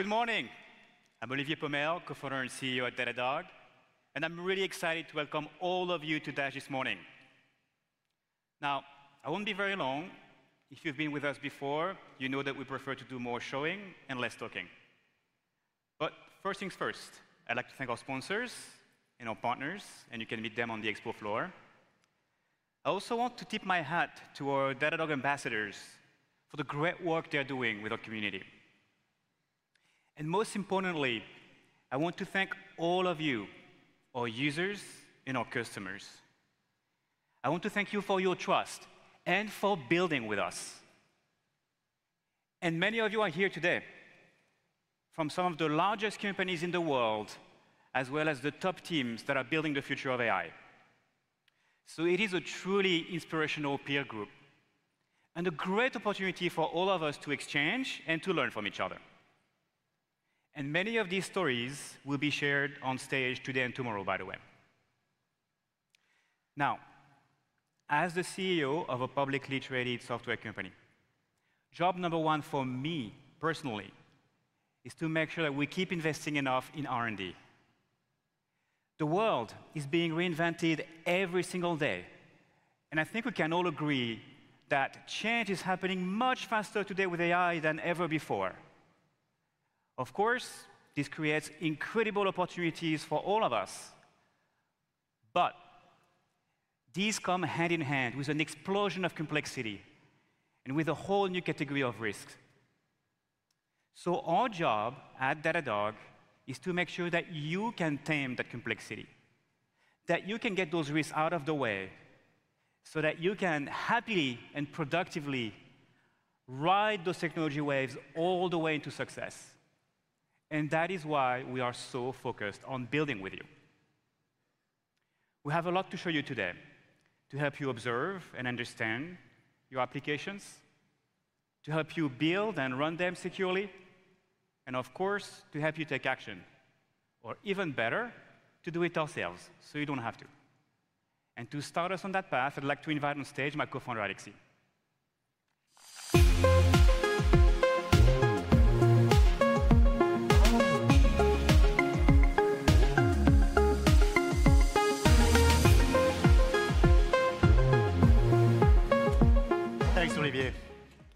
Good morning. I'm Olivier Pomel, co-founder and CEO at Datadog, and I'm really excited to welcome all of you to Dash this morning. Now, I won't be very long. If you've been with us before, you know that we prefer to do more showing and less talking. First things first, I'd like to thank our sponsors and our partners, and you can meet them on the expo floor. I also want to tip my hat to our Datadog ambassadors for the great work they're doing with our community. Most importantly, I want to thank all of you, our users and our customers. I want to thank you for your trust and for building with us. Many of you are here today from some of the largest companies in the world, as well as the top teams that are building the future of AI. It is a truly inspirational peer group and a great opportunity for all of us to exchange and to learn from each other. Many of these stories will be shared on stage today and tomorrow, by the way. Now, as the CEO of a publicly traded software company, job number one for me personally is to make sure that we keep investing enough in R&D. The world is being reinvented every single day, and I think we can all agree that change is happening much faster today with AI than ever before. Of course, this creates incredible opportunities for all of us, but these come hand in hand with an explosion of complexity and with a whole new category of risks. Our job at Datadog is to make sure that you can tame that complexity, that you can get those risks out of the way so that you can happily and productively ride those technology waves all the way to success. That is why we are so focused on building with you. We have a lot to show you today to help you observe and understand your applications, to help you build and run them securely, and of course, to help you take action, or even better, to do it ourselves so you do not have to. To start us on that path, I would like to invite on stage my co-founder, Alexis. Thanks,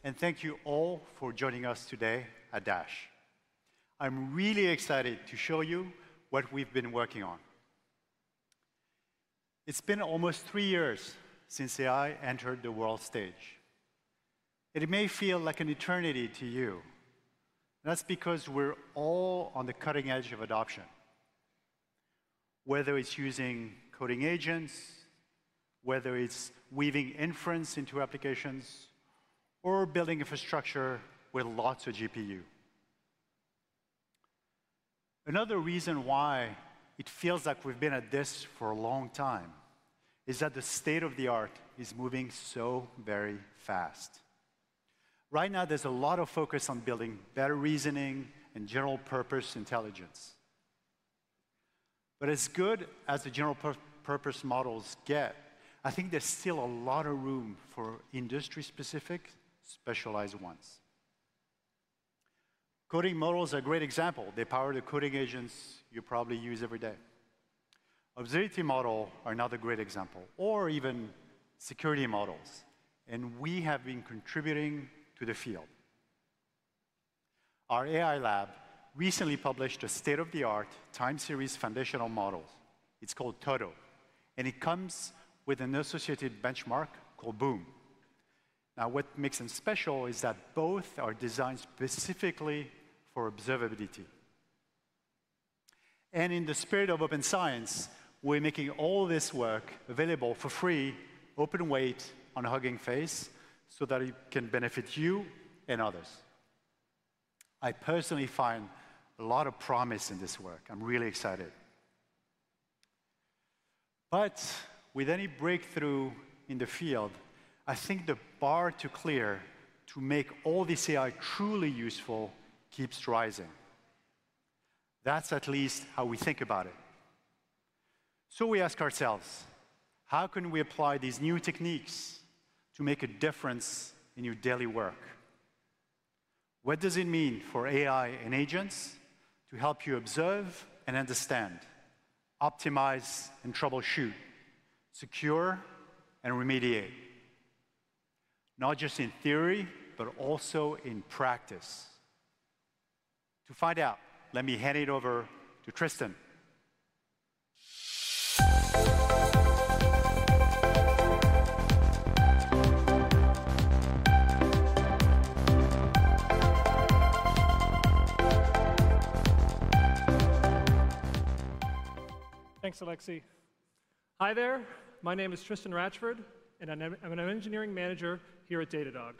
Olivier. Thank you all for joining us today at Dash. I am really excited to show you what we have been working on. It has been almost three years since AI entered the world stage. It may feel like an eternity to you. That's because we're all on the cutting edge of adoption, whether it's using coding agents, whether it's weaving inference into applications, or building infrastructure with lots of GPU. Another reason why it feels like we've been at this for a long time is that the state of the art is moving so very fast. Right now, there's a lot of focus on building better reasoning and general purpose intelligence. As good as the general purpose models get, I think there's still a lot of room for industry-specific, specialized ones. Coding models are a great example. They power the coding agents you probably use every day. Obsidian models are another great example, or even security models. We have been contributing to the field. Our AI lab recently published a state-of-the-art time series foundational model. It's called Toto, and it comes with an associated benchmark called BOOM. What makes them special is that both are designed specifically for observability. In the spirit of open science, we're making all this work available for free, open weight on Hugging Face so that it can benefit you and others. I personally find a lot of promise in this work. I'm really excited. With any breakthrough in the field, I think the bar to clear to make all this AI truly useful keeps rising. That's at least how we think about it. We ask ourselves, how can we apply these new techniques to make a difference in your daily work? What does it mean for AI and agents to help you observe and understand, optimize and troubleshoot, secure and remediate? Not just in theory, but also in practice. To find out, let me hand it over to Tristan. Thanks, Alexis. Hi there. My name is Tristan Ratchford, and I'm an engineering manager here at Datadog.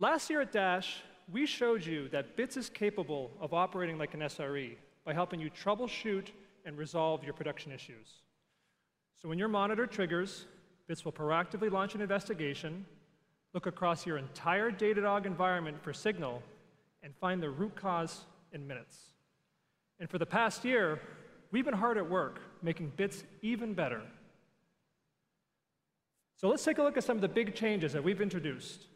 Last year at Dash, we showed you that Bits is capable of operating like an SRE by helping you troubleshoot and resolve your production issues. When your monitor triggers, Bits will proactively launch an investigation, look across your entire Datadog environment for signal, and find the root cause in minutes. For the past year, we've been hard at work making Bits even better. Let's take a look at some of the big changes that we've introduced.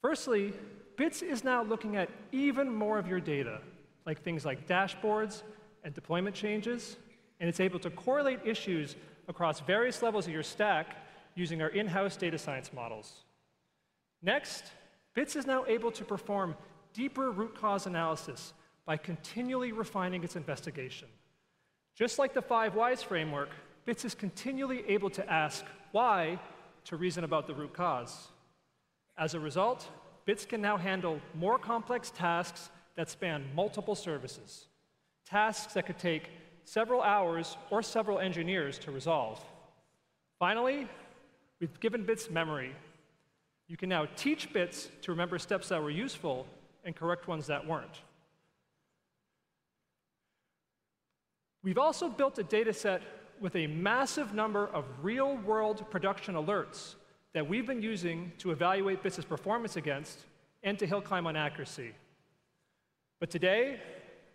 Firstly, Bits is now looking at even more of your data, like things like dashboards and deployment changes, and it's able to correlate issues across various levels of your stack using our in-house data science models. Next, Bits is now able to perform deeper root cause analysis by continually refining its investigation. Just like the Five Whys framework, Bits is continually able to ask why to reason about the root cause. As a result, Bits can now handle more complex tasks that span multiple services, tasks that could take several hours or several engineers to resolve. Finally, we've given Bits memory. You can now teach Bits to remember steps that were useful and correct ones that were not. We've also built a data set with a massive number of real-world production alerts that we've been using to evaluate Bits' performance against and to hill climb on accuracy. Today,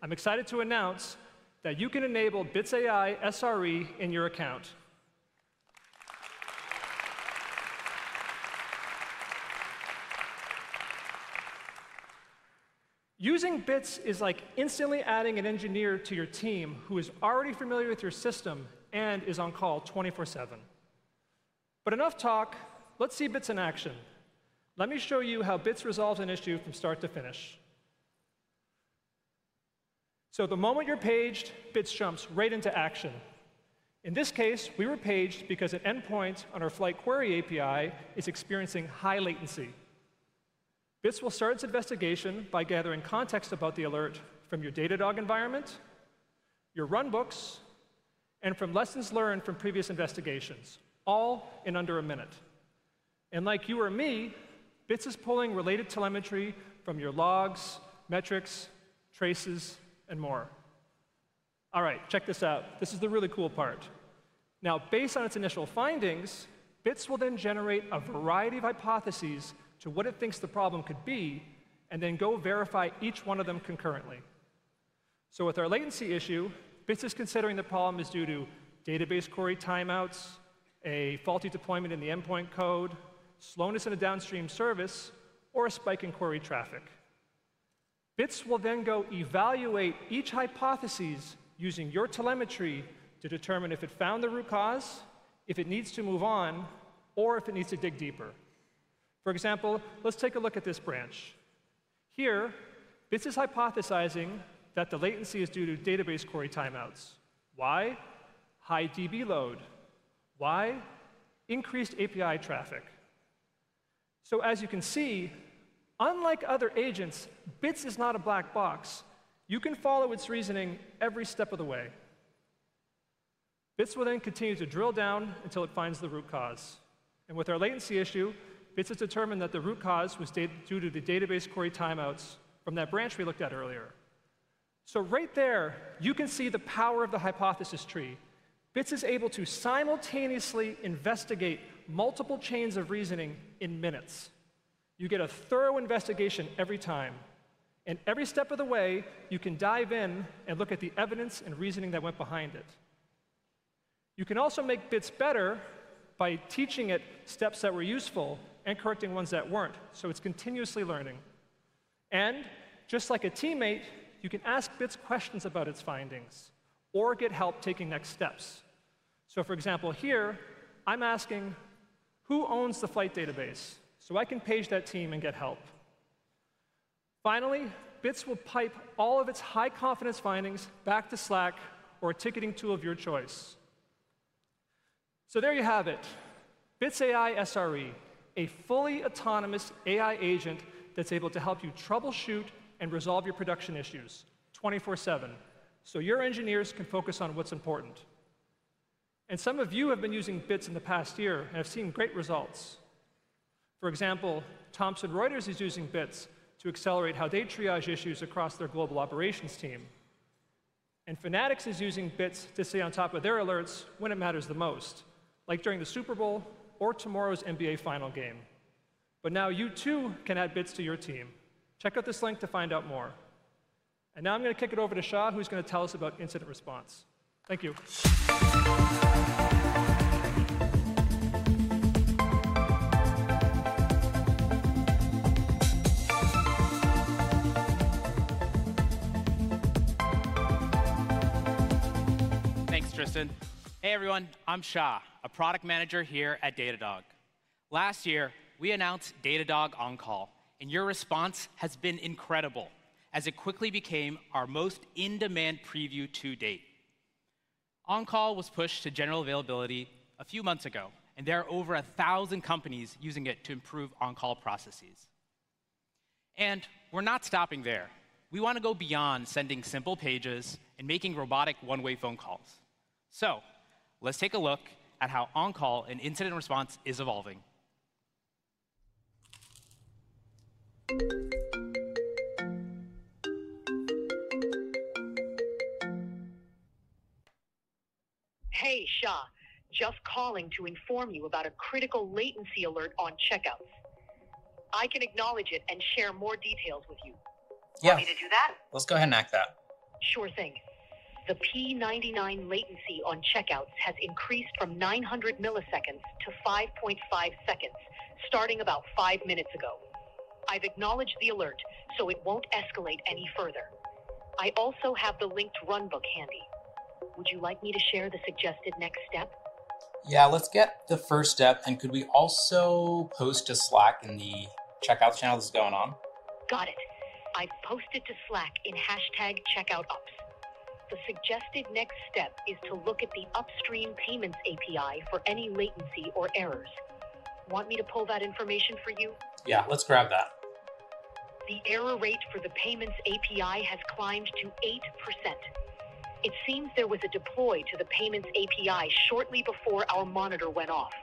I'm excited to announce that you can enable Bits AI SRE in your account. Using Bits is like instantly adding an engineer to your team who is already familiar with your system and is on call 24/7. Enough talk. Let's see Bits in action. Let me show you how Bits resolves an issue from start to finish. The moment you're paged, Bits jumps right into action. In this case, we were paged because an endpoint on our Flight Query API is experiencing high latency. Bits will start its investigation by gathering context about the alert from your Datadog environment, your runbooks, and from lessons learned from previous investigations, all in under a minute. Like you or me, Bits is pulling related telemetry from your logs, metrics, traces, and more. All right, check this out. This is the really cool part. Now, based on its initial findings, Bits will then generate a variety of hypotheses to what it thinks the problem could be and then go verify each one of them concurrently. With our latency issue, Bits is considering the problem is due to database query timeouts, a faulty deployment in the endpoint code, slowness in a downstream service, or a spike in query traffic. Bits will then go evaluate each hypothesis using your telemetry to determine if it found the root cause, if it needs to move on, or if it needs to dig deeper. For example, let's take a look at this branch. Here, Bits is hypothesizing that the latency is due to database query timeouts. Why? High DB load. Why? Increased API traffic. As you can see, unlike other agents, Bits is not a black box. You can follow its reasoning every step of the way. Bits will then continue to drill down until it finds the root cause. With our latency issue, Bits has determined that the root cause was due to the database query timeouts from that branch we looked at earlier. Right there, you can see the power of the hypothesis tree. Bits is able to simultaneously investigate multiple chains of reasoning in minutes. You get a thorough investigation every time. Every step of the way, you can dive in and look at the evidence and reasoning that went behind it. You can also make Bits better by teaching it steps that were useful and correcting ones that were not. It is continuously learning. Just like a teammate, you can ask Bits questions about its findings or get help taking next steps. For example, here, I am asking, who owns the flight database? I can page that team and get help. Finally, Bits will pipe all of its high confidence findings back to Slack or a ticketing tool of your choice. There you have it. Bits AI SRE, a fully autonomous AI agent that's able to help you troubleshoot and resolve your production issues 24/7 so your engineers can focus on what's important. Some of you have been using Bits in the past year and have seen great results. For example, Thomson Reuters is using Bits to accelerate how they triage issues across their global operations team. Fanatics is using Bits to stay on top of their alerts when it matters the most, like during the Super Bowl or tomorrow's NBA Final Game. Now you too can add Bits to your team. Check out this link to find out more. I'm going to kick it over to Shah, who's going to tell us about incident response. Thank you. Thanks, Tristan. Hey, everyone. I'm Shah, a product manager here at Datadog. Last year, we announced Datadog On-Call, and your response has been incredible as it quickly became our most in-demand preview to date. On-Call was pushed to general availability a few months ago, and there are over 1,000 companies using it to improve On-Call processes. We are not stopping there. We want to go beyond sending simple pages and making robotic one-way phone calls. Let us take a look at how On-Call and incident response is evolving. Hey, Shah. Just calling to inform you about a critical latency alert on checkouts. I can acknowledge it and share more details with you. Yes. Want me to do that? Let's go ahead and act that. Sure thing. The P99 latency on checkouts has increased from 900 milliseconds to 5.5 seconds, starting about five minutes ago. I've acknowledged the alert, so it won't escalate any further. I also have the linked runbook handy. Would you like me to share the suggested next step? Yeah, let's get the first step. Could we also post to Slack in the checkout channel this is going on? Got it. I've posted to Slack in #checkout-ups. The suggested next step is to look at the upstream payments API for any latency or errors. Want me to pull that information for you? Yeah, let's grab that. The error rate for the payments API has climbed to 8%. It seems there was a deploy to the payments API shortly before our monitor went off.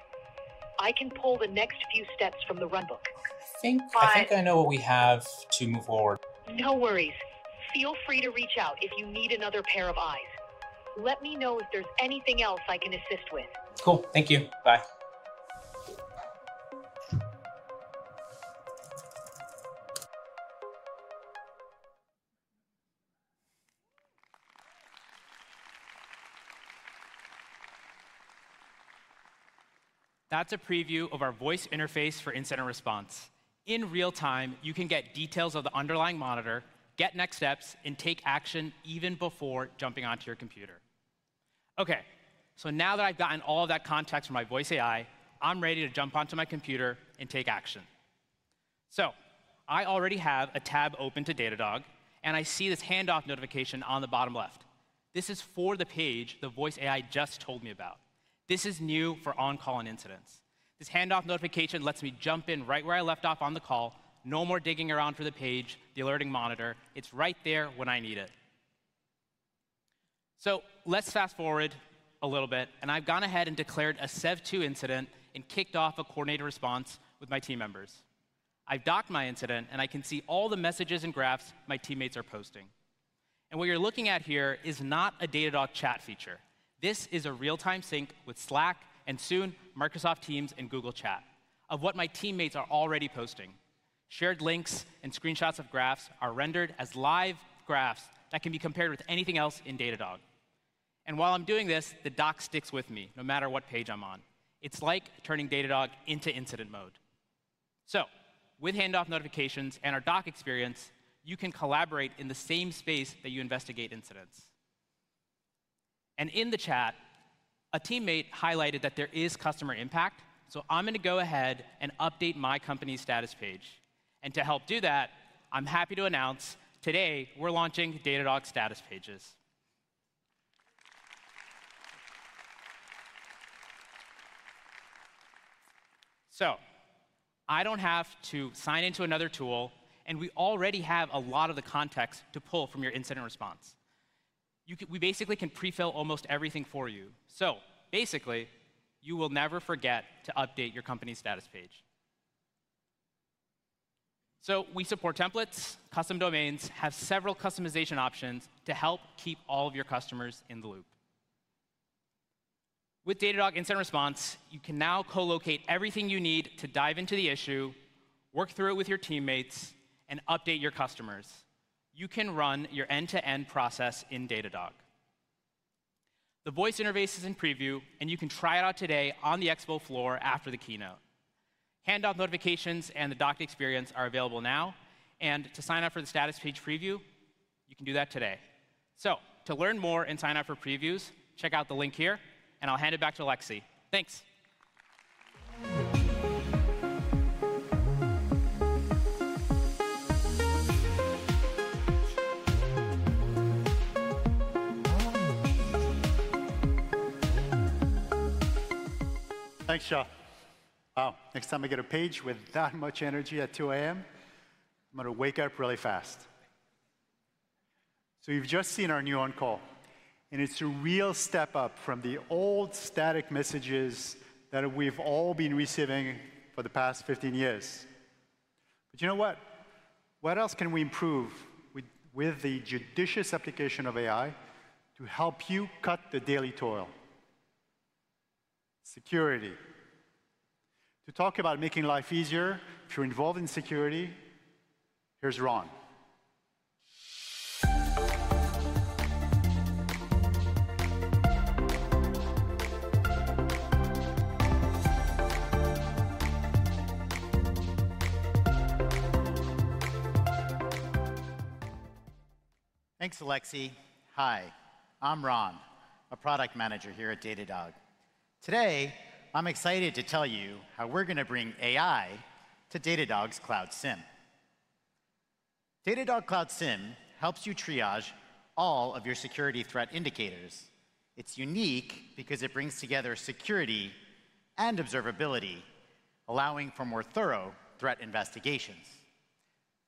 I can pull the next few steps from the runbook. Think I know what we have to move forward. No worries. Feel free to reach out if you need another pair of eyes. Let me know if there is anything else I can assist with. Cool. Thank you. Bye. That's a preview of our voice interface for incident response. In real time, you can get details of the underlying monitor, get next steps, and take action even before jumping onto your computer. OK, so now that I've gotten all of that context from my voice AI, I'm ready to jump onto my computer and take action. I already have a tab open to Datadog, and I see this handoff notification on the bottom left. This is for the page the voice AI just told me about. This is new for On-Call and incidents. This handoff notification lets me jump in right where I left off on the call. No more digging around for the page, the alerting monitor. It's right there when I need it. Let's fast forward a little bit. I've gone ahead and declared a SEV2 incident and kicked off a coordinated response with my team members. I've docked my incident, and I can see all the messages and graphs my teammates are posting. What you're looking at here is not a Datadog chat feature. This is a real-time sync with Slack and soon Microsoft Teams and Google Chat of what my teammates are already posting. Shared links and screenshots of graphs are rendered as live graphs that can be compared with anything else in Datadog. While I'm doing this, the doc sticks with me no matter what page I'm on. It's like turning Datadog into incident mode. With handoff notifications and our doc experience, you can collaborate in the same space that you investigate incidents. In the chat, a teammate highlighted that there is customer impact. I'm going to go ahead and update my company's status page. To help do that, I'm happy to announce today we're launching Datadog Status Pages. I don't have to sign into another tool, and we already have a lot of the context to pull from your incident response. We basically can prefill almost everything for you. Basically, you will never forget to update your company's status page. We support templates, custom domains, and have several customization options to help keep all of your customers in the loop. With Datadog incident response, you can now co-locate everything you need to dive into the issue, work through it with your teammates, and update your customers. You can run your end-to-end process in Datadog. The voice interface is in preview, and you can try it out today on the expo floor after the keynote. Handoff notifications and the doc experience are available now. To sign up for the status page preview, you can do that today. To learn more and sign up for previews, check out the link here, and I'll hand it back to Alexis. Thanks. Thanks, Shah. Wow, next time I get a page with that much energy at 2:00 A.M., I'm going to wake up really fast. You have just seen our new On-Call, and it's a real step up from the old static messages that we've all been receiving for the past 15 years. You know what? What else can we improve with the judicious application of AI to help you cut the daily toil? Security. To talk about making life easier if you're involved in security, here's Ron. Thanks, Alexis. Hi, I'm Ron, a product manager here at Datadog. Today, I'm excited to tell you how we're going to bring AI to Datadog's Cloud SIEM. Datadog Cloud SIEM helps you triage all of your security threat indicators. It's unique because it brings together security and observability, allowing for more thorough threat investigations.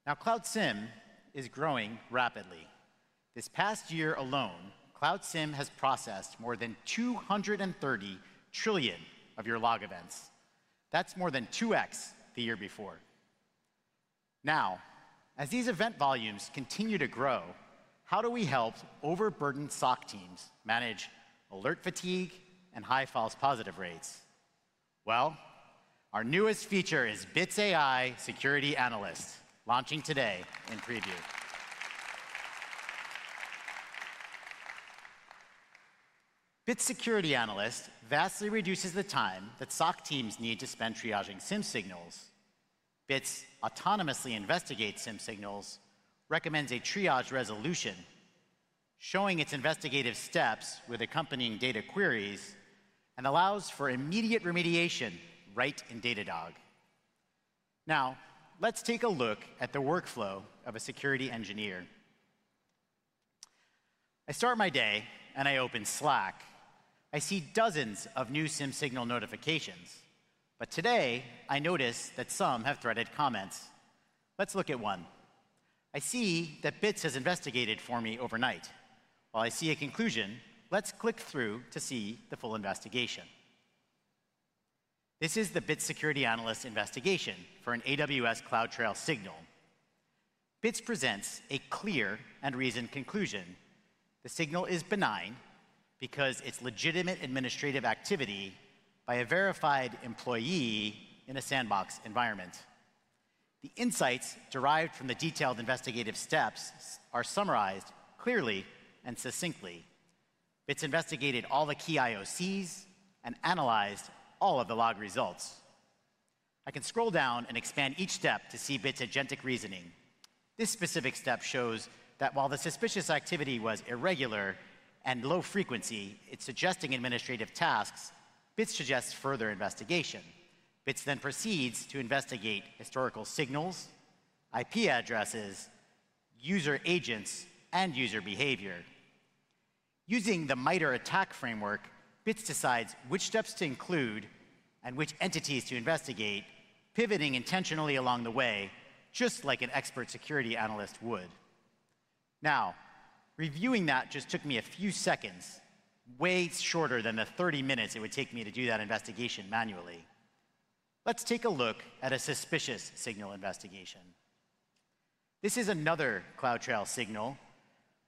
Now, Cloud SIEM is growing rapidly. This past year alone, Cloud SIEM has processed more than 230 trillion of your log events. That's more than 2x the year before. Now, as these event volumes continue to grow, how do we help overburdened SOC teams manage alert fatigue and high false positive rates? Our newest feature is Bits AI Security Analyst, launching today in preview. Bits AI Security Analyst vastly reduces the time that SOC teams need to spend triaging SIEM signals. Bits autonomously investigates SIEM signals, recommends a triage resolution, showing its investigative steps with accompanying data queries, and allows for immediate remediation right in Datadog. Now, let's take a look at the workflow of a security engineer. I start my day, and I open Slack. I see dozens of new SIEM signal notifications. Today, I notice that some have threaded comments. Let's look at one. I see that Bits has investigated for me overnight. While I see a conclusion, let's click through to see the full investigation. This is the Bits Security Analyst investigation for an AWS CloudTrail signal. Bits presents a clear and reasoned conclusion. The signal is benign because it's legitimate administrative activity by a verified employee in a sandbox environment. The insights derived from the detailed investigative steps are summarized clearly and succinctly. Bits investigated all the key IOCs and analyzed all of the log results. I can scroll down and expand each step to see Bits' agentic reasoning. This specific step shows that while the suspicious activity was irregular and low frequency, it's suggesting administrative tasks, Bits suggests further investigation. Bits then proceeds to investigate historical signals, IP addresses, user agents, and user behavior. Using the MITRE ATT&CK framework, Bits decides which steps to include and which entities to investigate, pivoting intentionally along the way, just like an expert security analyst would. Now, reviewing that just took me a few seconds, way shorter than the 30 minutes it would take me to do that investigation manually. Let's take a look at a suspicious signal investigation. This is another CloudTrail signal,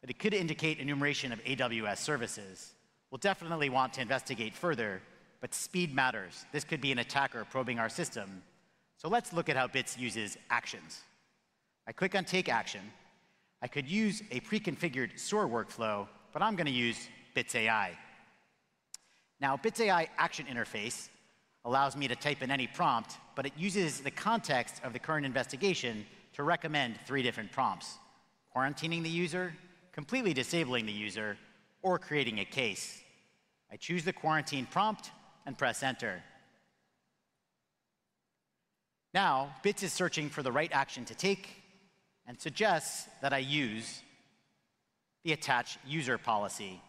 but it could indicate enumeration of AWS services. We'll definitely want to investigate further, but speed matters. This could be an attacker probing our system. Let's look at how Bits uses actions. I click on Take Action. I could use a pre-configured SOAR workflow, but I'm going to use Bits AI. Now, Bits AI Action Interface allows me to type in any prompt, but it uses the context of the current investigation to recommend three different prompts: quarantining the user, completely disabling the user, or creating a case. I choose the quarantine prompt and press Enter. Now, Bits is searching for the right action to take and suggests that I use the attach user policy.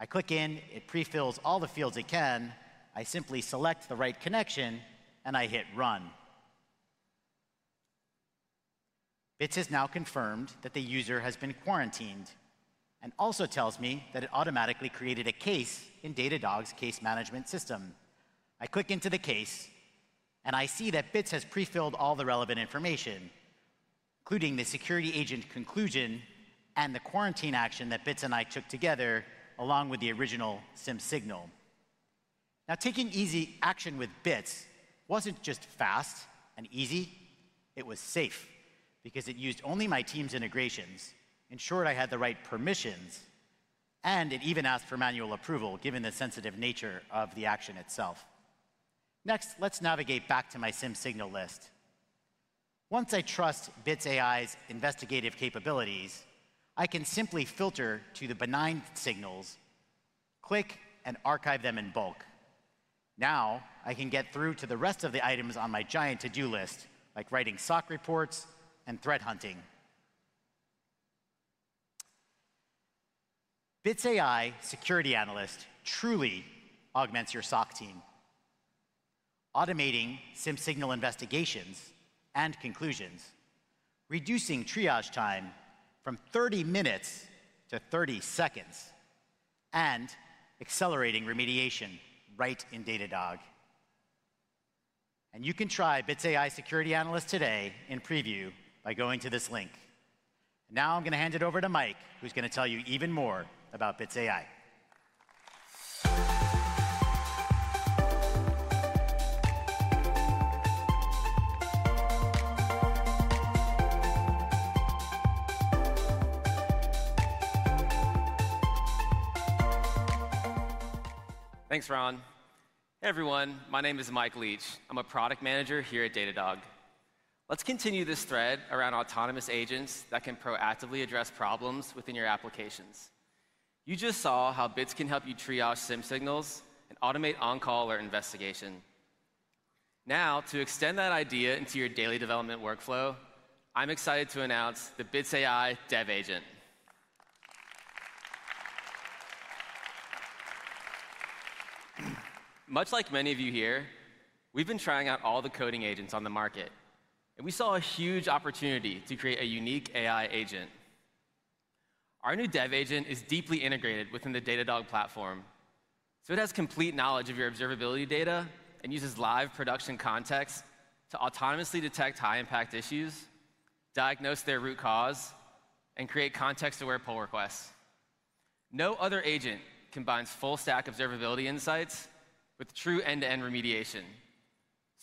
I click in. It prefills all the fields it can. I simply select the right connection, and I hit Run. Bits has now confirmed that the user has been quarantined and also tells me that it automatically created a case in Datadog's case management system. I click into the case, and I see that Bits has prefilled all the relevant information, including the security agent conclusion and the quarantine action that Bits and I took together, along with the original SIEM signal. Now, taking easy action with Bits was not just fast and easy. It was safe because it used only my team's integrations. In short, I had the right permissions, and it even asked for manual approval, given the sensitive nature of the action itself. Next, let's navigate back to my SIEM signal list. Once I trust Bits AI's investigative capabilities, I can simply filter to the benign signals, click, and archive them in bulk. Now, I can get through to the rest of the items on my giant to-do list, like writing SOC reports and threat hunting. Bits AI Security Analyst truly augments your SOC team, automating SIEM signal investigations and conclusions, reducing triage time from 30 minutes to 30 seconds, and accelerating remediation right in Datadog. You can try Bits AI Security Analyst today in preview by going to this link. Now, I'm going to hand it over to Mike, who's going to tell you even more about Bits AI. Thanks, Ron. Hey, everyone. My name is Mike Leach. I'm a Product Manager here at Datadog. Let's continue this thread around autonomous agents that can proactively address problems within your applications. You just saw how Bits can help you triage SIEM signals and automate on-call alert investigation. Now, to extend that idea into your daily development workflow, I'm excited to announce the Bits AI Dev Agent. Much like many of you here, we've been trying out all the coding agents on the market, and we saw a huge opportunity to create a unique AI agent. Our new Dev Agent is deeply integrated within the Datadog platform. So it has complete knowledge of your observability data and uses live production context to autonomously detect high-impact issues, diagnose their root cause, and create context-aware pull requests. No other agent combines full-stack observability insights with true end-to-end remediation.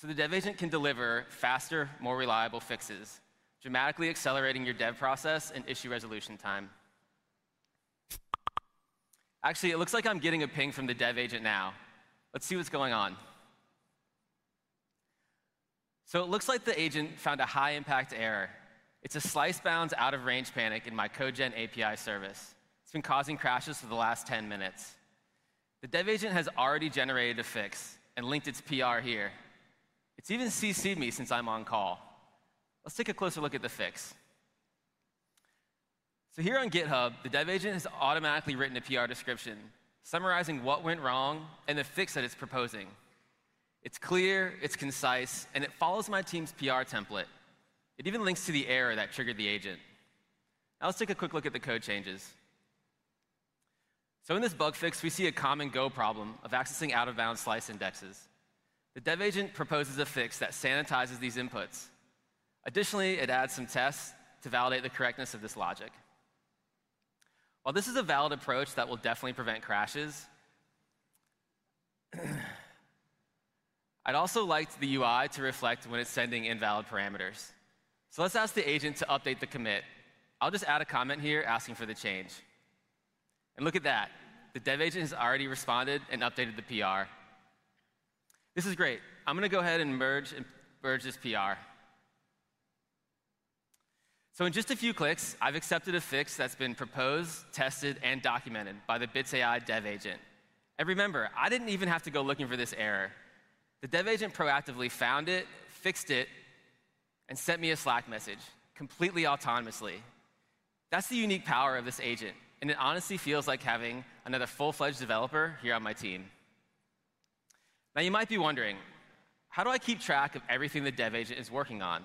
The Dev Agent can deliver faster, more reliable fixes, dramatically accelerating your dev process and issue resolution time. Actually, it looks like I'm getting a ping from the Dev Agent now. Let's see what's going on. It looks like the agent found a high-impact error. It's a slice-bound out-of-range panic in my CodeGen API service. It's been causing crashes for the last 10 minutes. The Dev Agent has already generated a fix and linked its PR here. It's even CC'd me since I'm on call. Let's take a closer look at the fix. Here on GitHub, the Dev Agent has automatically written a PR description summarizing what went wrong and the fix that it's proposing. It's clear, it's concise, and it follows my team's PR template. It even links to the error that triggered the agent. Now, let's take a quick look at the code changes. In this bug fix, we see a common Go problem of accessing out-of-bounds slice indexes. The Dev Agent proposes a fix that sanitizes these inputs. Additionally, it adds some tests to validate the correctness of this logic. While this is a valid approach that will definitely prevent crashes, I'd also like the UI to reflect when it's sending invalid parameters. Let's ask the agent to update the commit. I'll just add a comment here asking for the change. Look at that. The Dev Agent has already responded and updated the PR. This is great. I'm going to go ahead and merge this PR. In just a few clicks, I've accepted a fix that's been proposed, tested, and documented by the Bits AI Dev Agent. Remember, I didn't even have to go looking for this error. The Dev Agent proactively found it, fixed it, and sent me a Slack message completely autonomously. That's the unique power of this agent, and it honestly feels like having another full-fledged developer here on my team. Now, you might be wondering, how do I keep track of everything the Dev Agent is working on?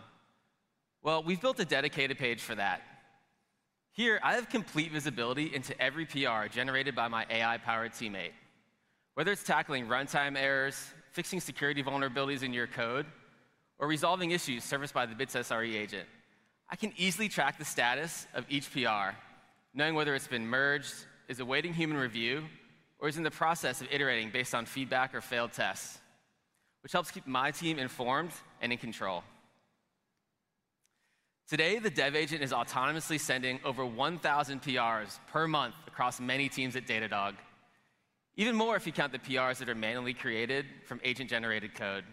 We have built a dedicated page for that. Here, I have complete visibility into every PR generated by my AI-powered teammate. Whether it's tackling runtime errors, fixing security vulnerabilities in your code, or resolving issues serviced by the Bits SRE Agent, I can easily track the status of each PR, knowing whether it's been merged, is awaiting human review, or is in the process of iterating based on feedback or failed tests, which helps keep my team informed and in control. Today, the Dev Agent is autonomously sending over 1,000 PRs per month across many teams at Datadog, even more if you count the PRs that are manually created from agent-generated code.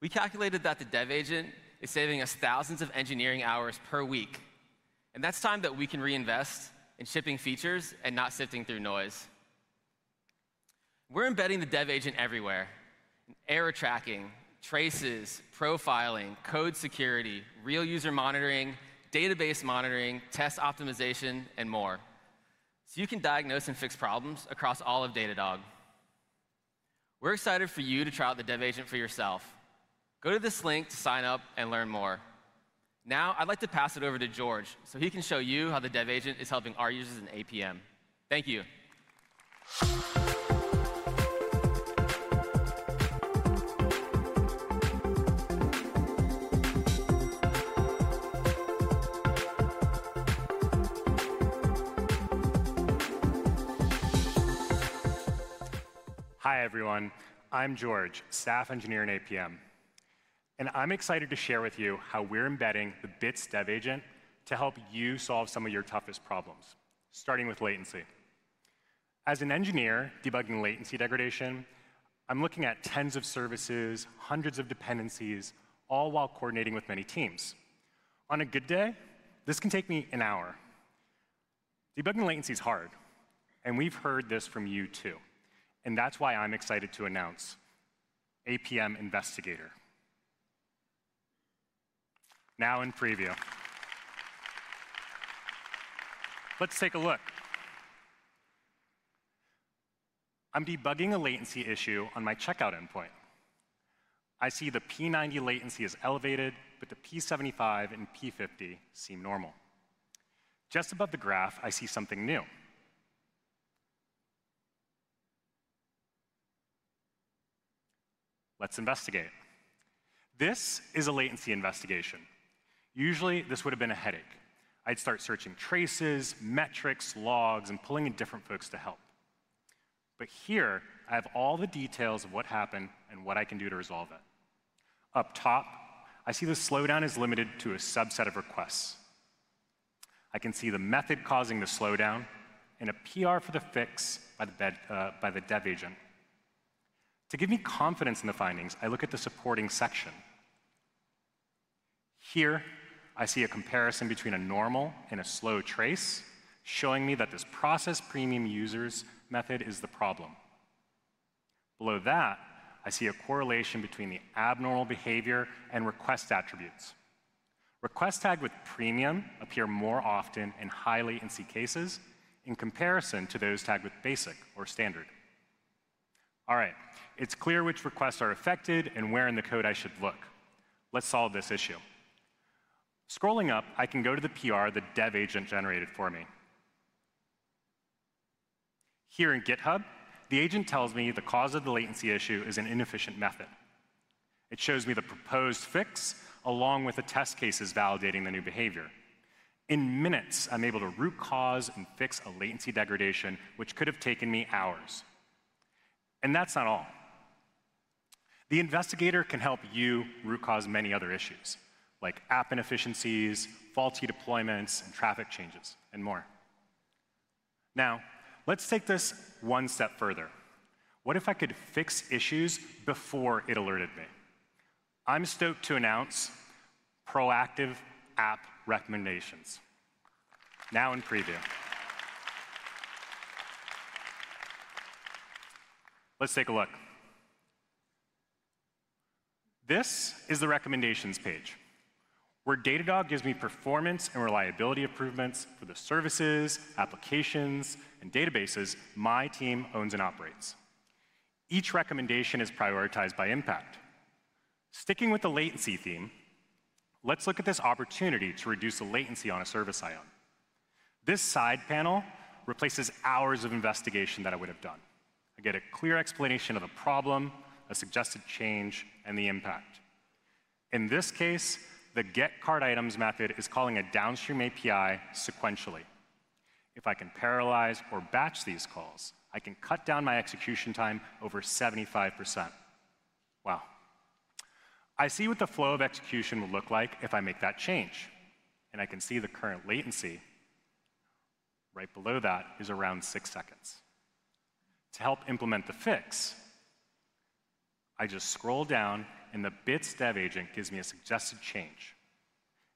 We calculated that the Dev Agent is saving us thousands of engineering hours per week, and that's time that we can reinvest in shipping features and not sifting through noise. We're embedding the Dev Agent everywhere: error tracking, traces, profiling, code security, real user monitoring, database monitoring, test optimization, and more. You can diagnose and fix problems across all of Datadog. We're excited for you to try out the Dev Agent for yourself. Go to this link to sign up and learn more. Now, I'd like to pass it over to George so he can show you how the Dev Agent is helping our users in APM. Thank you. Hi, everyone. I'm George, Staff Engineer in APM. I'm excited to share with you how we're embedding the Bits Dev Agent to help you solve some of your toughest problems, starting with latency. As an engineer debugging latency degradation, I'm looking at tens of services, hundreds of dependencies, all while coordinating with many teams. On a good day, this can take me an hour. Debugging latency is hard, and we've heard this from you too. That's why I'm excited to announce APM Investigator. Now, in preview. Let's take a look. I'm debugging a latency issue on my checkout endpoint. I see the p90 latency is elevated, but the p75 and p50 seem normal. Just above the graph, I see something new. Let's investigate. This is a latency investigation. Usually, this would have been a headache. I'd start searching traces, metrics, logs, and pulling in different folks to help. Here, I have all the details of what happened and what I can do to resolve it. Up top, I see the slowdown is limited to a subset of requests. I can see the method causing the slowdown and a PR for the fix by the Dev Agent. To give me confidence in the findings, I look at the supporting section. Here, I see a comparison between a normal and a slow trace, showing me that this process premium users method is the problem. Below that, I see a correlation between the abnormal behavior and request attributes. Requests tagged with premium appear more often in highly in C cases in comparison to those tagged with basic or standard. All right, it's clear which requests are affected and where in the code I should look. Let's solve this issue. Scrolling up, I can go to the PR the Dev Agent generated for me. Here in GitHub, the agent tells me the cause of the latency issue is an inefficient method. It shows me the proposed fix along with a test case validating the new behavior. In minutes, I'm able to root cause and fix a latency degradation, which could have taken me hours. That's not all. The investigator can help you root cause many other issues, like app inefficiencies, faulty deployments, traffic changes, and more. Now, let's take this one step further. What if I could fix issues before it alerted me? I'm stoked to announce proactive app recommendations. Now, in preview. Let's take a look. This is the recommendations page, where Datadog gives me performance and reliability improvements for the services, applications, and databases my team owns and operates. Each recommendation is prioritized by impact. Sticking with the latency theme, let's look at this opportunity to reduce the latency on a service I own. This side panel replaces hours of investigation that I would have done. I get a clear explanation of the problem, a suggested change, and the impact. In this case, the get card items method is calling a downstream API sequentially. If I can parallelize or batch these calls, I can cut down my execution time over 75%. Wow. I see what the flow of execution will look like if I make that change. I can see the current latency right below that is around 6 seconds. To help implement the fix, I just scroll down, and the Bits AI Dev Agent gives me a suggested change.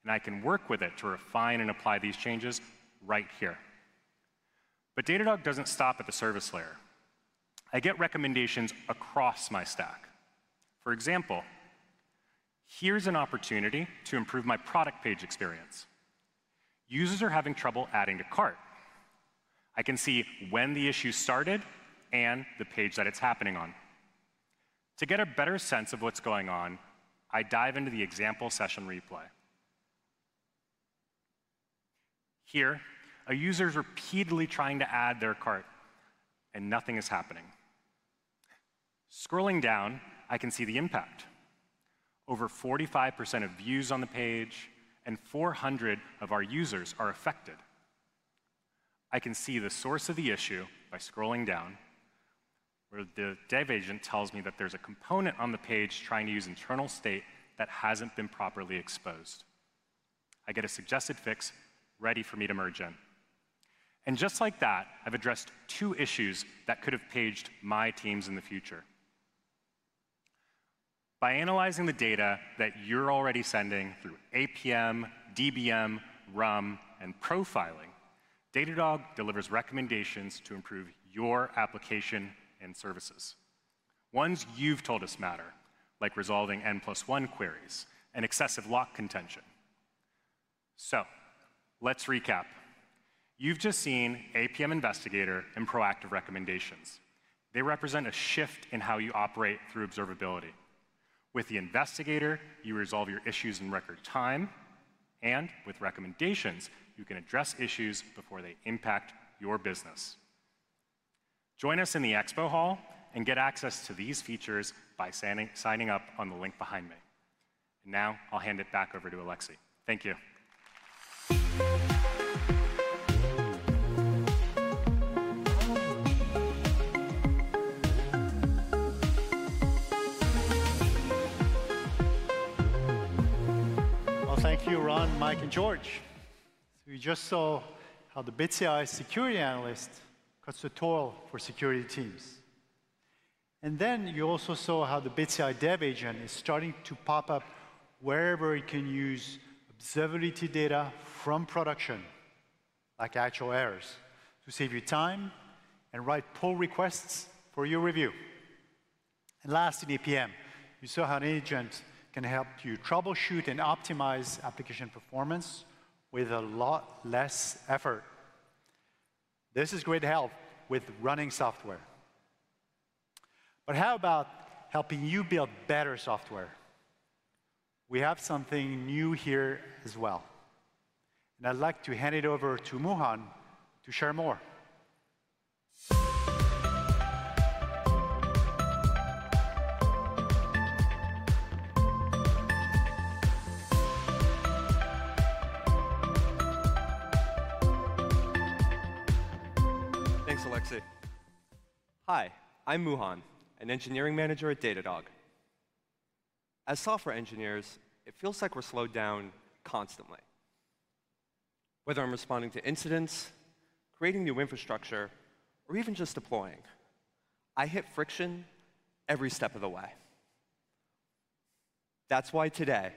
I can work with it to refine and apply these changes right here. Datadog does not stop at the service layer. I get recommendations across my stack. For example, here's an opportunity to improve my product page experience. Users are having trouble adding a cart. I can see when the issue started and the page that it's happening on. To get a better sense of what's going on, I dive into the example session replay. Here, a user is repeatedly trying to add their cart, and nothing is happening. Scrolling down, I can see the impact. Over 45% of views on the page and 400 of our users are affected. I can see the source of the issue by scrolling down, where the Dev Agent tells me that there's a component on the page trying to use internal state that hasn't been properly exposed. I get a suggested fix ready for me to merge in. Just like that, I've addressed two issues that could have paged my teams in the future. By analyzing the data that you're already sending through APM, DBM, RUM, and profiling, Datadog delivers recommendations to improve your application and services. Ones you've told us matter, like resolving N+1 queries and excessive lock contention. Let's recap. You've just seen APM Investigator and proactive recommendations. They represent a shift in how you operate through observability. With the Investigator, you resolve your issues in record time. With recommendations, you can address issues before they impact your business. Join us in the Expo Hall and get access to these features by signing up on the link behind me. Now, I'll hand it back over to Alexis. Thank you. Thank you, Ron, Mike, and George. You just saw how the Bits AI Security Analyst cuts the toll for security teams. You also saw how the Bits AI Dev Agent is starting to pop up wherever it can use observability data from production, like actual errors, to save you time and write pull requests for your review. Last, in APM, you saw how an agent can help you troubleshoot and optimize application performance with a lot less effort. This is great help with running software. How about helping you build better software? We have something new here as well. I'd like to hand it over to Muhan to share more. Thanks, Alexis. Hi, I'm Muhan, an Engineering Manager at Datadog. As software engineers, it feels like we're slowed down constantly. Whether I'm responding to incidents, creating new infrastructure, or even just deploying, I hit friction every step of the way. That's why today,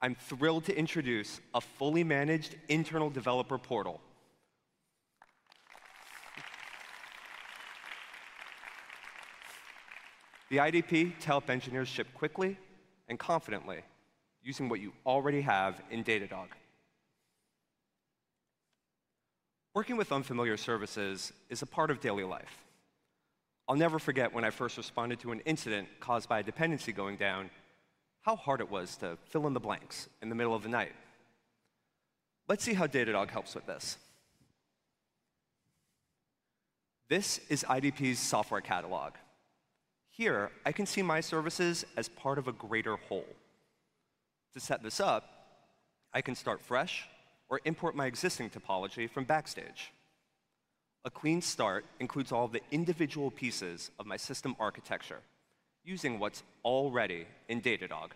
I'm thrilled to introduce a fully managed internal developer portal. The IDP to help engineers ship quickly and confidently using what you already have in Datadog. Working with unfamiliar services is a part of daily life. I'll never forget when I first responded to an incident caused by a dependency going down, how hard it was to fill in the blanks in the middle of the night. Let's see how Datadog helps with this. This is IDP's software catalog. Here, I can see my services as part of a greater whole. To set this up, I can start fresh or import my existing topology from Backstage. A clean start includes all of the individual pieces of my system architecture using what's already in Datadog.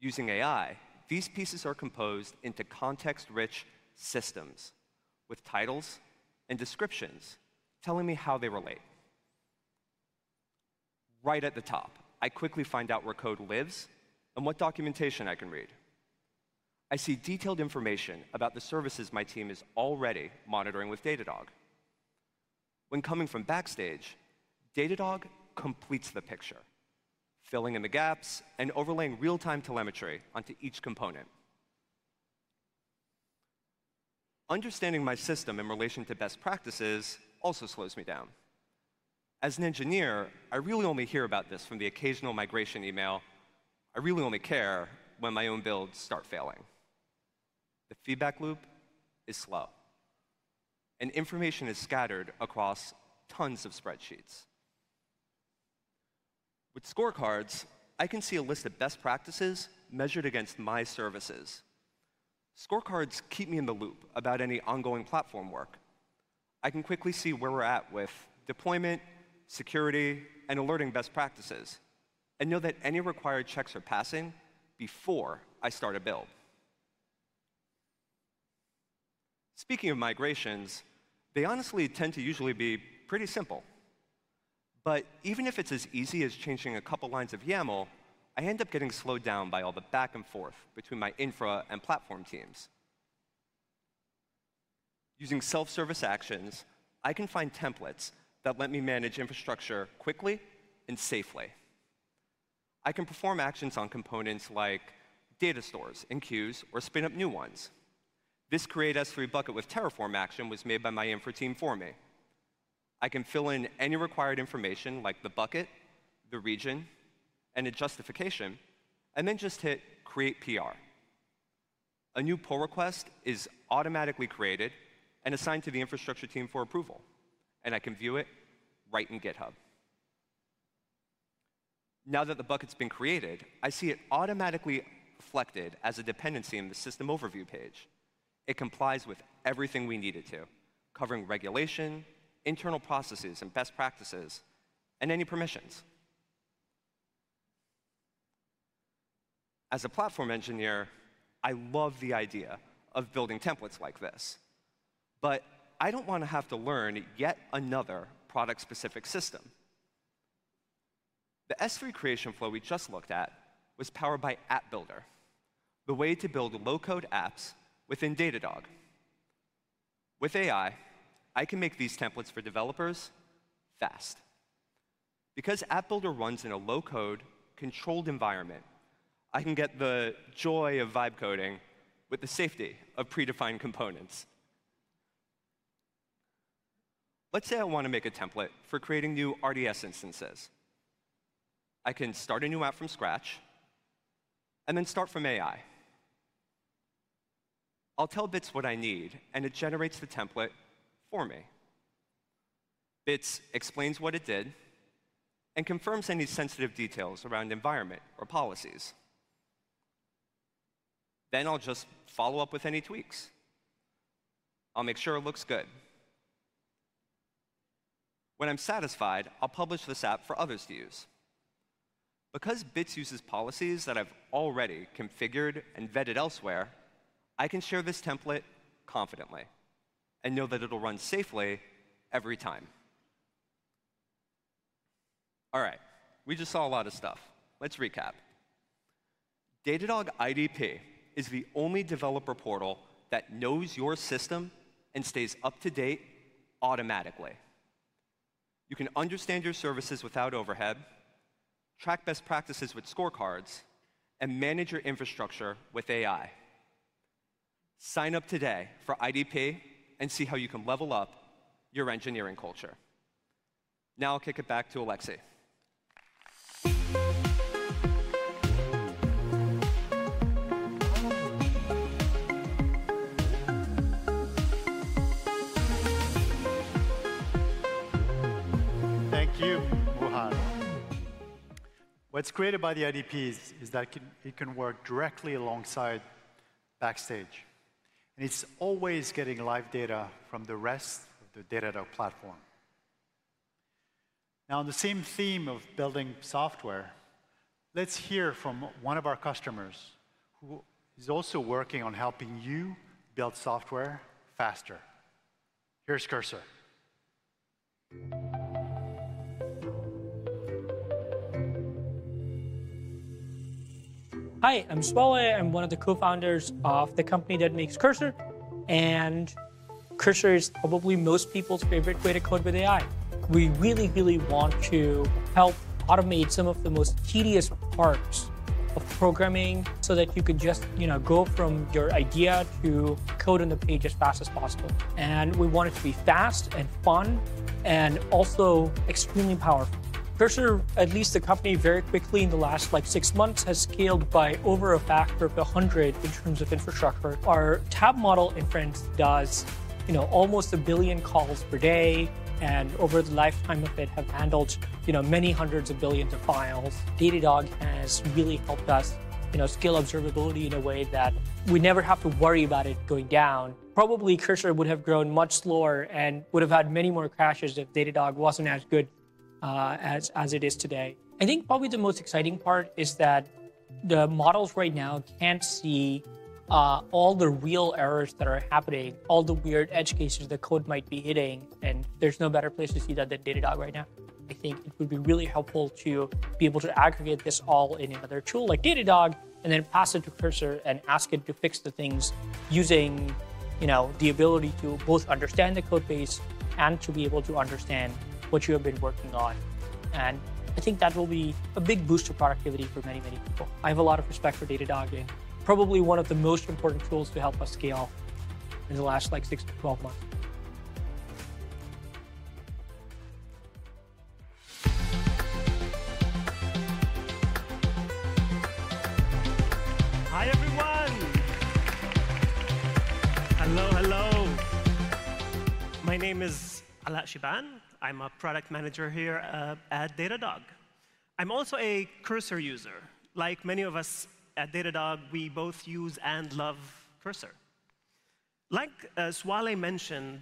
Using AI, these pieces are composed into context-rich systems with titles and descriptions telling me how they relate. Right at the top, I quickly find out where code lives and what documentation I can read. I see detailed information about the services my team is already monitoring with Datadog. When coming from Backstage, Datadog completes the picture, filling in the gaps and overlaying real-time telemetry onto each component. Understanding my system in relation to best practices also slows me down. As an engineer, I really only hear about this from the occasional migration email. I really only care when my own builds start failing. The feedback loop is slow, and information is scattered across tons of spreadsheets. With Scorecards, I can see a list of best practices measured against my services. Scorecards keep me in the loop about any ongoing platform work. I can quickly see where we're at with deployment, security, and alerting best practices, and know that any required checks are passing before I start a build. Speaking of migrations, they honestly tend to usually be pretty simple. Even if it's as easy as changing a couple of lines of YAML, I end up getting slowed down by all the back and forth between my infra and platform teams. Using self-service actions, I can find templates that let me manage infrastructure quickly and safely. I can perform actions on components like data stores and queues or spin up new ones. This create S3 bucket with Terraform action was made by my infra team for me. I can fill in any required information like the bucket, the region, and a justification, and then just hit Create PR. A new pull request is automatically created and assigned to the infrastructure team for approval. I can view it right in GitHub. Now that the bucket's been created, I see it automatically reflected as a dependency in the system overview page. It complies with everything we need it to, covering regulation, internal processes, best practices, and any permissions. As a platform engineer, I love the idea of building templates like this. I don't want to have to learn yet another product-specific system. The S3 creation flow we just looked at was powered by App Builder, the way to build low-code apps within Datadog. With AI, I can make these templates for developers fast. Because App Builder runs in a low-code controlled environment, I can get the joy of vibe coding with the safety of predefined components. Let's say I want to make a template for creating new RDS instances. I can start a new app from scratch and then start from AI. I'll tell Bits what I need, and it generates the template for me. Bits explains what it did and confirms any sensitive details around environment or policies. I'll just follow up with any tweaks. I'll make sure it looks good. When I'm satisfied, I'll publish this app for others to use. Because Bits uses policies that I've already configured and vetted elsewhere, I can share this template confidently and know that it'll run safely every time. All right, we just saw a lot of stuff. Let's recap. Datadog IDP is the only developer portal that knows your system and stays up to date automatically. You can understand your services without overhead, track best practices with scorecards, and manage your infrastructure with AI. Sign up today for IDP and see how you can level up your engineering culture. Now I'll kick it back to Alexis. Thank you, Muhan. What's great about the IDP is that it can work directly alongside Backstage. And it's always getting live data from the rest of the Datadog platform. Now, on the same theme of building software, let's hear from one of our customers who is also working on helping you build software faster. Here's Cursor. Hi, I'm Sualeh. I'm one of the Co-Founders of the company that makes Cursor. Cursor is probably most people's favorite way to code with AI. We really, really want to help automate some of the most tedious parts of programming so that you can just go from your idea to code on the page as fast as possible. We want it to be fast and fun and also extremely powerful. Cursor, at least the company, very quickly in the last six months, has scaled by over a factor of 100 in terms of infrastructure. Our tab model inference does almost a billion calls per day. Over the lifetime of it, we have handled many hundreds of billions of files. Datadog has really helped us scale observability in a way that we never have to worry about it going down. Probably Cursor would have grown much slower and would have had many more crashes if Datadog wasn't as good as it is today. I think probably the most exciting part is that the models right now can't see all the real errors that are happening, all the weird edge cases the code might be hitting. There's no better place to see that than Datadog right now. I think it would be really helpful to be able to aggregate this all in another tool like Datadog and then pass it to Cursor and ask it to fix the things using the ability to both understand the code base and to be able to understand what you have been working on. I think that will be a big boost to productivity for many, many people. I have a lot of respect for Datadog. It's probably one of the most important tools to help us scale in the last six to twelve months. Hi, everyone. Hello, hello. My name is Ala Shiban. I'm a product manager here at Datadog. I'm also a Cursor user. Like many of us at Datadog, we both use and love Cursor. Like Sualeh mentioned,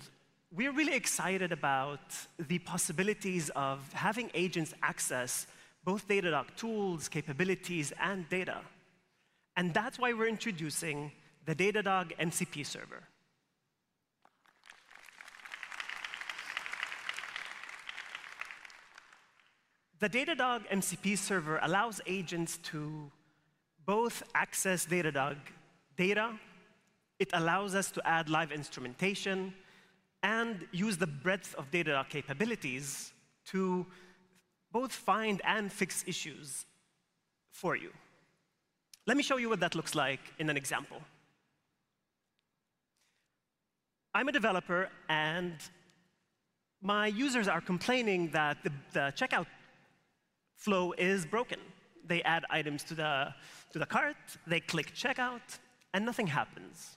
we're really excited about the possibilities of having agents access both Datadog tools, capabilities, and data. That's why we're introducing the Datadog MCP Server. The Datadog MCP Server allows agents to both access Datadog data. It allows us to add live instrumentation and use the breadth of Datadog capabilities to both find and fix issues for you. Let me show you what that looks like in an example. I'm a developer, and my users are complaining that the checkout flow is broken. They add items to the cart, they click checkout, and nothing happens.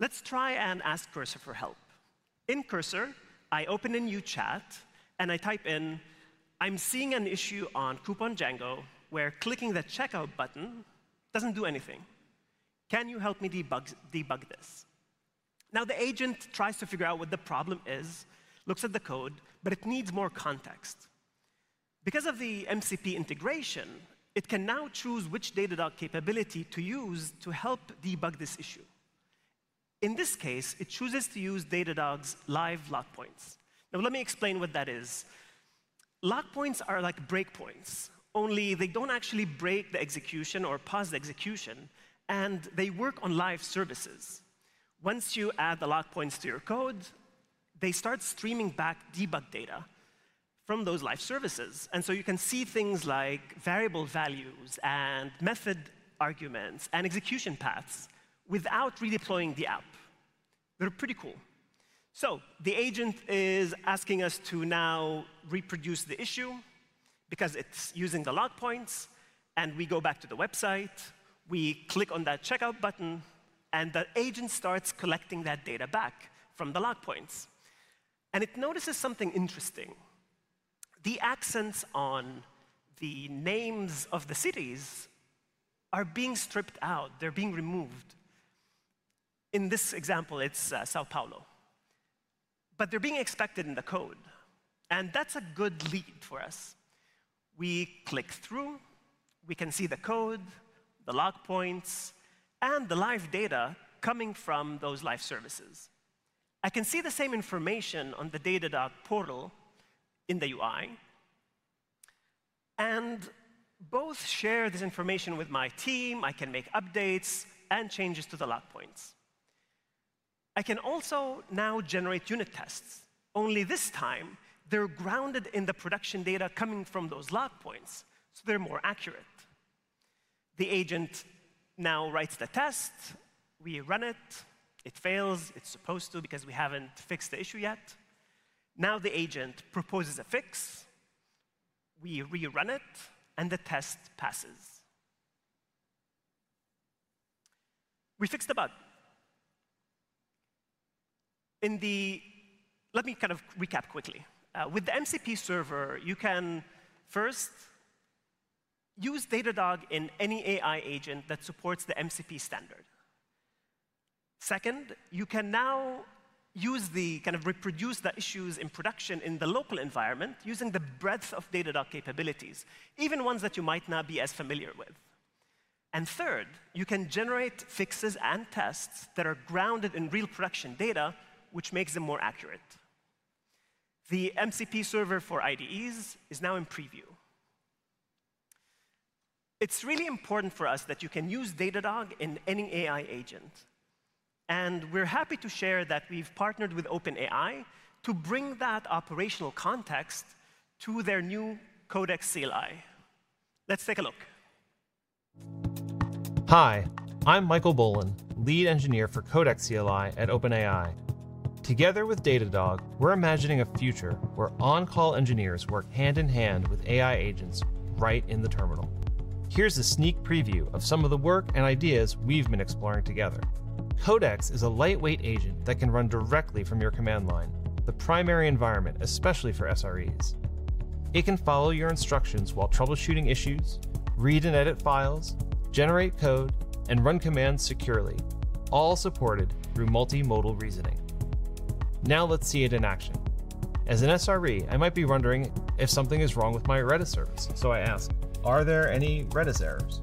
Let's try and ask Cursor for help. In Cursor, I open a new chat, and I type in, "I'm seeing an issue on Coupon Django where clicking the checkout button doesn't do anything. Can you help me debug this?" Now, the agent tries to figure out what the problem is, looks at the code, but it needs more context. Because of the MCP integration, it can now choose which Datadog capability to use to help debug this issue. In this case, it chooses to use Datadog's live Lock Points. Now, let me explain what that is. Lock Points are like break points, only they don't actually break the execution or pause the execution, and they work on live services. Once you add the Lock Points to your code, they start streaming back debug data from those live services. You can see things like variable values and method arguments and execution paths without redeploying the app. They're pretty cool. The agent is asking us to now reproduce the issue because it's using the lock points. We go back to the website. We click on that checkout button, and the agent starts collecting that data back from the Lock Points. It notices something interesting. The accents on the names of the cities are being stripped out. They're being removed. In this example, it's São Paulo. They're being expected in the code, and that's a good lead for us. We click through. We can see the code, the Lock Points, and the live data coming from those live services. I can see the same information on the Datadog portal in the UI. Both share this information with my team. I can make updates and changes to the Lock Points. I can also now generate unit tests. Only this time, they're grounded in the production data coming from those Lock Points, so they're more accurate. The agent now writes the test. We run it. It fails. It's supposed to because we haven't fixed the issue yet. Now the agent proposes a fix. We rerun it, and the test passes. We fixed the bug. Let me kind of recap quickly. With the MCP Server, you can first use Datadog in any AI agent that supports the MCP standard. Second, you can now use the kind of reproduce the issues in production in the local environment using the breadth of Datadog capabilities, even ones that you might not be as familiar with. Third, you can generate fixes and tests that are grounded in real production data, which makes them more accurate. The MCP Server for IDEs is now in preview. It's really important for us that you can use Datadog in any AI agent. We're happy to share that we've partnered with OpenAI to bring that operational context to their new Codex CLI. Let's take a look. Hi, I'm Michael Bolin, Lead Engineer for Codex CLI at OpenAI. Together with Datadog, we're imagining a future where on-call engineers work hand in hand with AI agents right in the terminal. Here's a sneak preview of some of the work and ideas we've been exploring together. Codex is a lightweight agent that can run directly from your command line, the primary environment, especially for SREs. It can follow your instructions while troubleshooting issues, read and edit files, generate code, and run commands securely, all supported through multimodal reasoning. Now let's see it in action. As an SRE, I might be wondering if something is wrong with my Redis service. I ask, are there any Redis errors?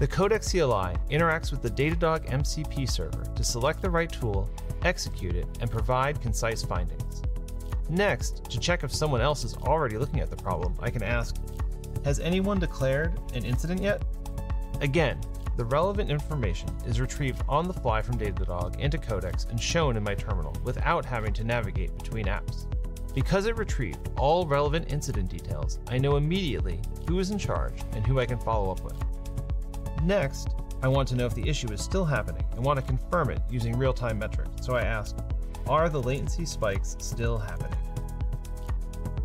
The Codex CLI interacts with the Datadog MCP Server to select the right tool, execute it, and provide concise findings. Next, to check if someone else is already looking at the problem, I can ask, has anyone declared an incident yet? Again, the relevant information is retrieved on the fly from Datadog into Codex and shown in my terminal without having to navigate between apps. Because it retrieved all relevant incident details, I know immediately who is in charge and who I can follow up with. Next, I want to know if the issue is still happening and want to confirm it using real-time metrics. I ask, are the latency spikes still happening?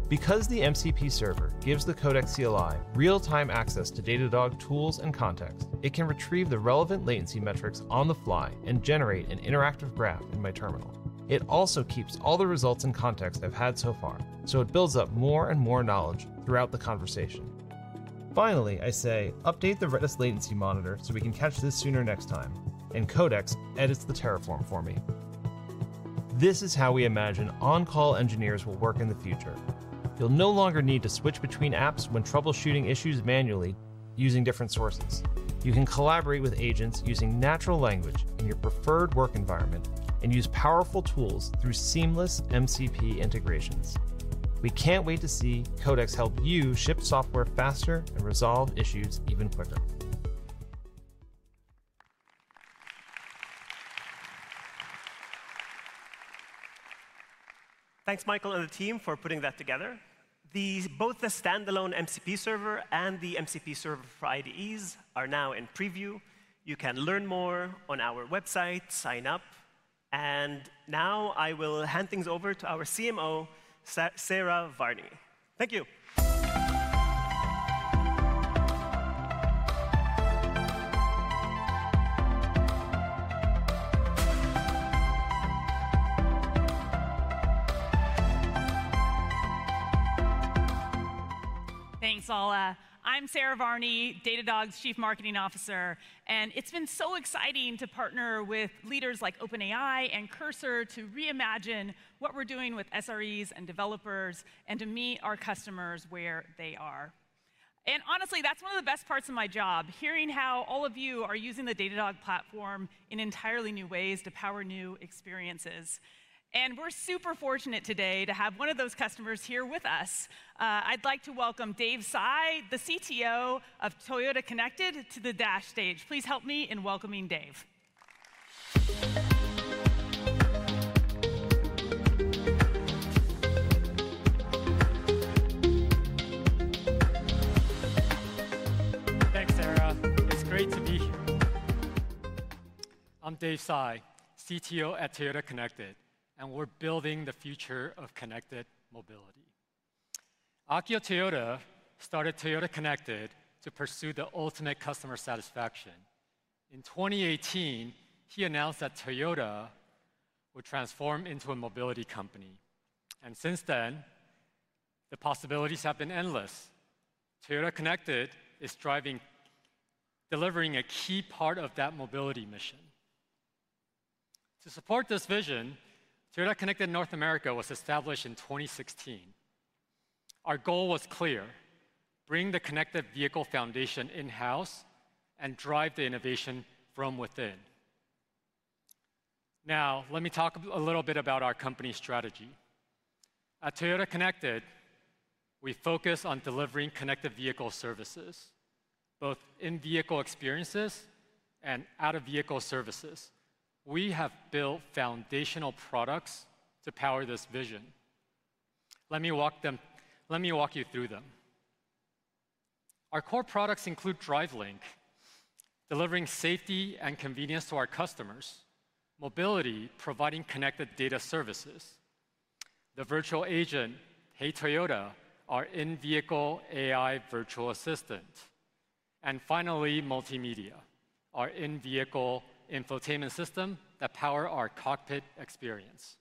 Because the MCP Server gives the Codex CLI real-time access to Datadog tools and context, it can retrieve the relevant latency metrics on the fly and generate an interactive graph in my terminal. It also keeps all the results and context I've had so far, so it builds up more and more knowledge throughout the conversation. Finally, I say, update the Redis latency monitor so we can catch this sooner next time. Codex edits the Terraform for me. This is how we imagine on-call engineers will work in the future. You'll no longer need to switch between apps when troubleshooting issues manually using different sources. You can collaborate with agents using natural language in your preferred work environment and use powerful tools through seamless MCP integrations. We can't wait to see Codex help you ship software faster and resolve issues even quicker. Thanks, Michael and the team, for putting that together. Both the standalone MCP Server and the MCP Server for IDEs are now in preview. You can learn more on our website, sign up. I will hand things over to our CMO, Sarah Varni. Thank you. Thanks, Ala. I'm Sarah Varni, Datadog's Chief Marketing Officer. It's been so exciting to partner with leaders like OpenAI and Cursor to reimagine what we're doing with SREs and developers and to meet our customers where they are. Honestly, that's one of the best parts of my job, hearing how all of you are using the Datadog platform in entirely new ways to power new experiences. We're super fortunate today to have one of those customers here with us. I'd like to welcome Dave Tsai, the CTO of Toyota Connected, to the dash stage. Please help me in welcoming Dave. Thanks, Sarah. It's great to be here. I'm Dave Tsai, CTO at Toyota Connected, and we're building the future of connected mobility. Akio Toyoda started Toyota Connected to pursue the ultimate customer satisfaction. In 2018, he announced that Toyota would transform into a mobility company. Since then, the possibilities have been endless. Toyota Connected is delivering a key part of that mobility mission. To support this vision, Toyota Connected North America was established in 2016. Our goal was clear: bring the connected vehicle foundation in-house and drive the innovation from within. Now, let me talk a little bit about our company strategy. At Toyota Connected, we focus on delivering connected vehicle services, both in-vehicle experiences and out-of-vehicle services. We have built foundational products to power this vision. Let me walk you through them. Our core products include DriveLink, delivering safety and convenience to our customers, Mobility, providing connected data services, the virtual agent, Hey Toyota, our in-vehicle AI virtual assistant, and finally, Multimedia, our in-vehicle infotainment system that powers our cockpit experience.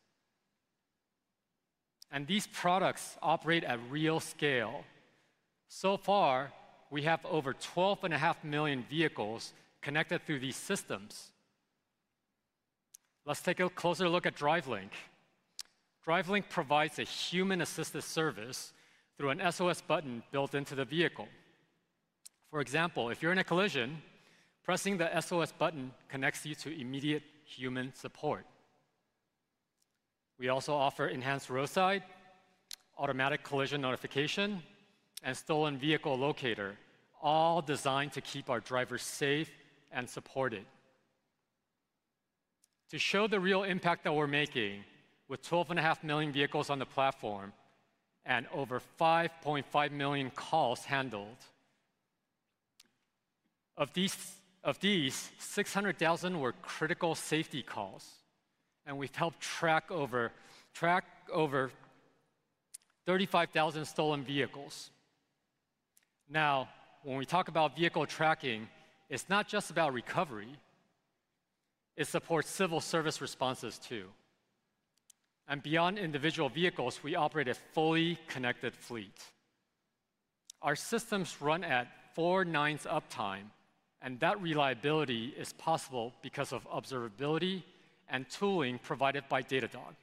These products operate at real scale. So far, we have over 12.5 million vehicles connected through these systems. Let's take a closer look at DriveLink. DriveLink provides a human-assisted service through an SOS button built into the vehicle. For example, if you're in a collision, pressing the SOS button connects you to immediate human support. We also offer enhanced roadside, automatic collision notification, and stolen vehicle locator, all designed to keep our drivers safe and supported. To show the real impact that we're making with 12.5 million vehicles on the platform and over 5.5 million calls handled, of these, 600,000 were critical safety calls. We have helped track over 35,000 stolen vehicles. When we talk about vehicle tracking, it is not just about recovery. It supports civil service responses, too. Beyond individual vehicles, we operate a fully connected fleet. Our systems run at four nines uptime, and that reliability is possible because of observability and tooling provided by Datadog.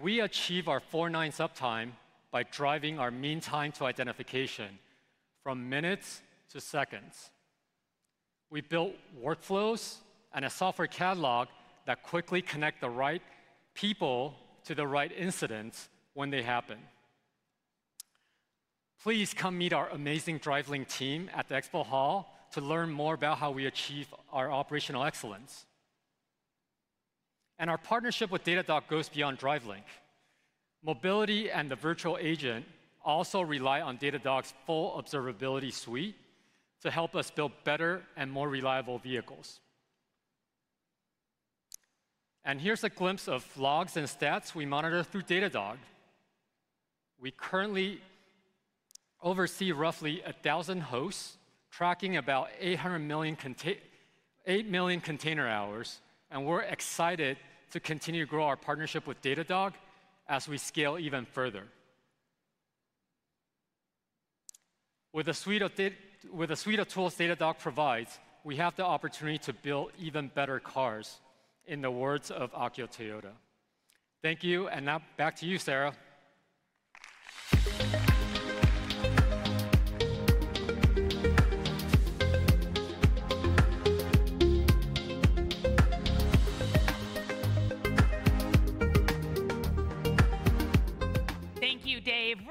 We achieve our four nines uptime by driving our mean time to identification from minutes to seconds. We built workflows and a software catalog that quickly connect the right people to the right incidents when they happen. Please come meet our amazing DriveLink team at the expo hall to learn more about how we achieve our operational excellence. Our partnership with Datadog goes beyond DriveLink. Mobility and the virtual agent also rely on Datadog's full observability suite to help us build better and more reliable vehicles. Here's a glimpse of logs and stats we monitor through Datadog. We currently oversee roughly 1,000 hosts, tracking about 8 million container hours. We're excited to continue to grow our partnership with Datadog as we scale even further. With a suite of tools Datadog provides, we have the opportunity to build even better cars, in the words of Akio Toyoda. Thank you. Now back to you, Sarah.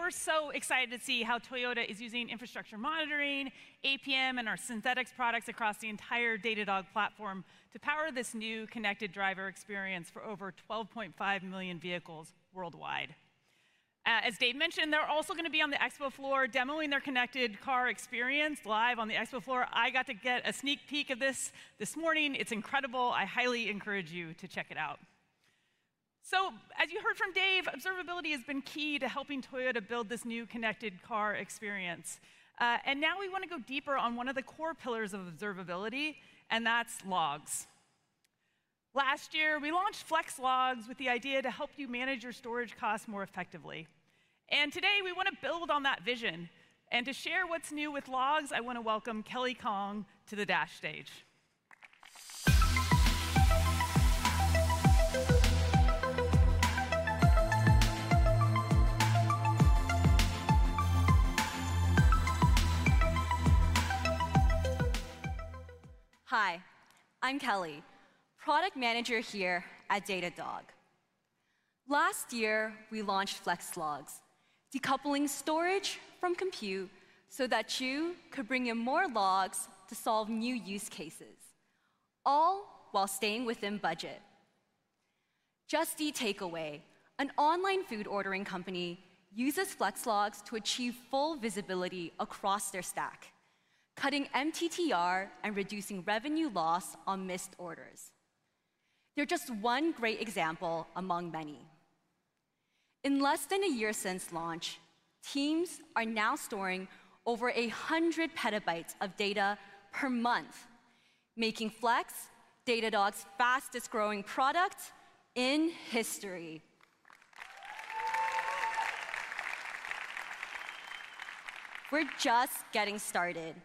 Thank you, Dave. We're so excited to see how Toyota is using Infrastructure Monitoring, APM, and our synthetics products across the entire Datadog platform to power this new connected driver experience for over 12.5 million vehicles worldwide. As Dave mentioned, they're also going to be on the expo floor demoing their connected car experience live on the expo floor. I got to get a sneak peek of this this morning. It's incredible. I highly encourage you to check it out. As you heard from Dave, observability has been key to helping Toyota build this new connected car experience. Now we want to go deeper on one of the core pillars of observability, and that's logs. Last year, we launched Flex Logs with the idea to help you manage your storage costs more effectively. Today, we want to build on that vision. To share what's new with logs, I want to welcome Kelly Kong to the Dash stage. Hi. I'm Kelly, product manager here at Datadog. Last year, we launched Flex Logs, decoupling storage from compute so that you could bring in more logs to solve new use cases, all while staying within budget. Just the takeaway, an online food ordering company uses Flex Logs to achieve full visibility across their stack, cutting MTTR and reducing revenue loss on missed orders. They're just one great example among many. In less than a year since launch, teams are now storing over 100 petabytes of data per month, making Flex Logs Datadog's fastest growing product in history. We're just getting started.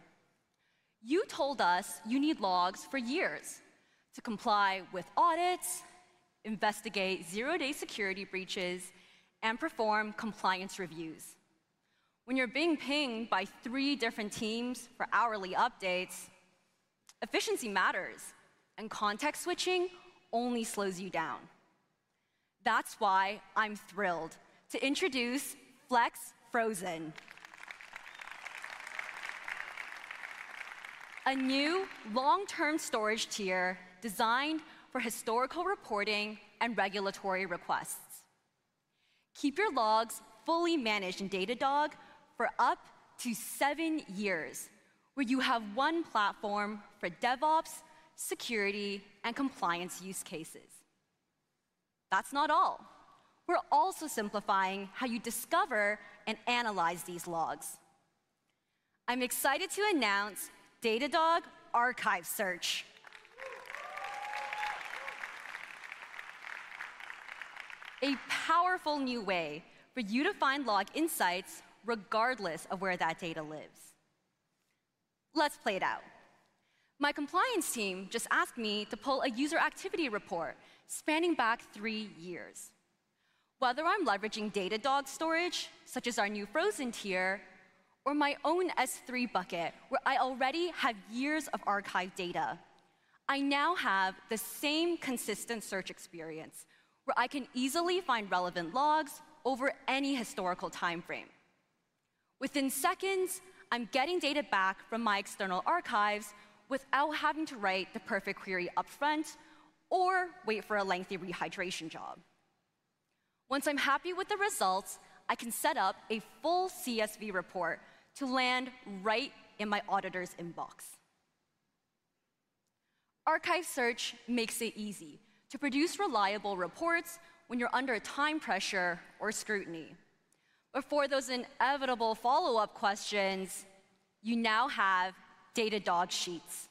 You told us you need logs for years to comply with audits, investigate zero-day security breaches, and perform compliance reviews. When you're being pinged by three different teams for hourly updates, efficiency matters, and context switching only slows you down. That's why I'm thrilled to introduce Flex Frozen, a new long-term storage tier designed for historical reporting and regulatory requests. Keep your logs fully managed in Datadog for up to seven years, where you have one platform for DevOps, security, and compliance use cases. That's not all. We're also simplifying how you discover and analyze these logs. I'm excited to announce Datadog Archive Search, a powerful new way for you to find log insights regardless of where that data lives. Let's play it out. My compliance team just asked me to pull a user activity report spanning back three years. Whether I'm leveraging Datadog storage, such as our new Frozen tier, or my own S3 bucket, where I already have years of archived data, I now have the same consistent search experience, where I can easily find relevant logs over any historical time frame. Within seconds, I'm getting data back from my external archives without having to write the perfect query upfront or wait for a lengthy rehydration job. Once I'm happy with the results, I can set up a full CSV report to land right in my auditor's inbox. Archive Search makes it easy to produce reliable reports when you're under time pressure or scrutiny. For those inevitable follow-up questions, you now have Datadog Sheets.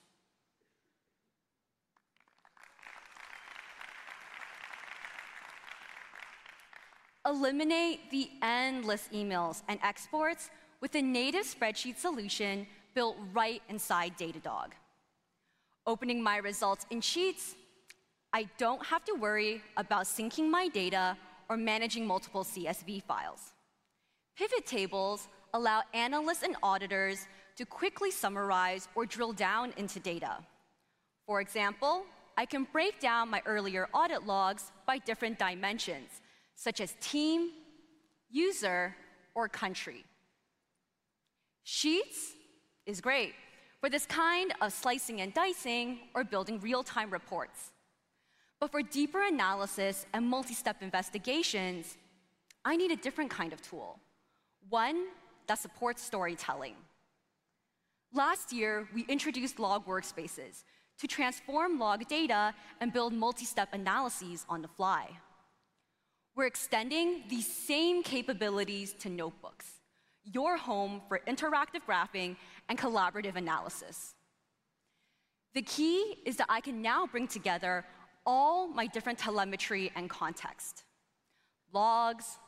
Eliminate the endless emails and exports with a native spreadsheet solution built right inside Datadog. Opening my results in Sheets, I don't have to worry about syncing my data or managing multiple CSV files. Pivot tables allow analysts and auditors to quickly summarize or drill down into data. For example, I can break down my earlier audit logs by different dimensions, such as team, user, or country. Sheets is great for this kind of slicing and dicing or building real-time reports. For deeper analysis and multi-step investigations, I need a different kind of tool, one that supports storytelling. Last year, we introduced Log Workspaces to transform log data and build multi-step analyses on the fly. We are extending these same capabilities to Notebooks, your home for interactive graphing and collaborative analysis. The key is that I can now bring together all my different telemetry and context: logs,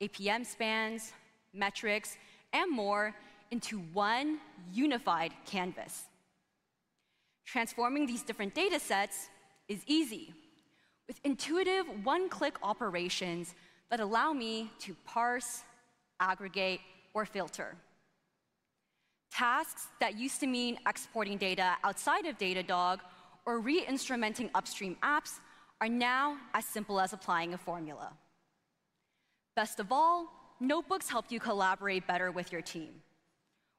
APM spans, metrics, and more into one unified canvas. Transforming these different data sets is easy, with intuitive one-click operations that allow me to parse, aggregate, or filter. Tasks that used to mean exporting data outside of Datadog or reinstrumenting upstream apps are now as simple as applying a formula. Best of all, Notebooks help you collaborate better with your team.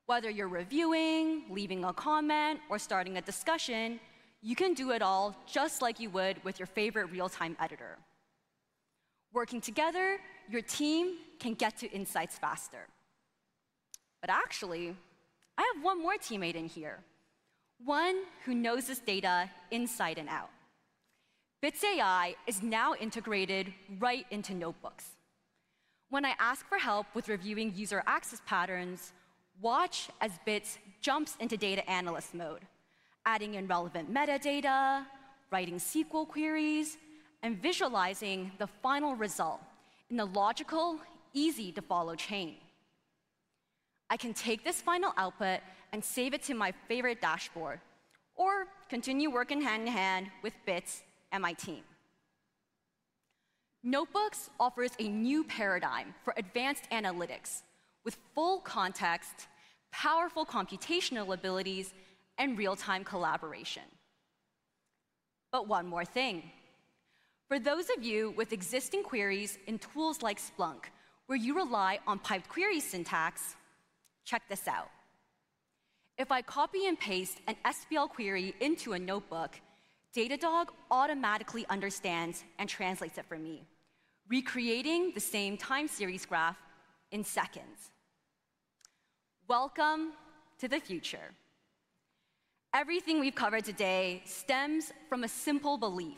Whether you're reviewing, leaving a comment, or starting a discussion, you can do it all just like you would with your favorite real-time editor. Working together, your team can get to insights faster. Actually, I have one more teammate in here, one who knows this data inside and out. Bits AI is now integrated right into Notebooks. When I ask for help with reviewing user access patterns, watch as Bits jumps into data analyst mode, adding in relevant metadata, writing SQL queries, and visualizing the final result in a logical, easy-to-follow chain. I can take this final output and save it to my favorite dashboard or continue working hand in hand with Bits and my team. Notebooks offers a new paradigm for advanced analytics with full context, powerful computational abilities, and real-time collaboration. One more thing. For those of you with existing queries in tools like Splunk, where you rely on piped query syntax, check this out. If I copy and paste an SQL query into a notebook, Datadog automatically understands and translates it for me, recreating the same time series graph in seconds. Welcome to the future. Everything we've covered today stems from a simple belief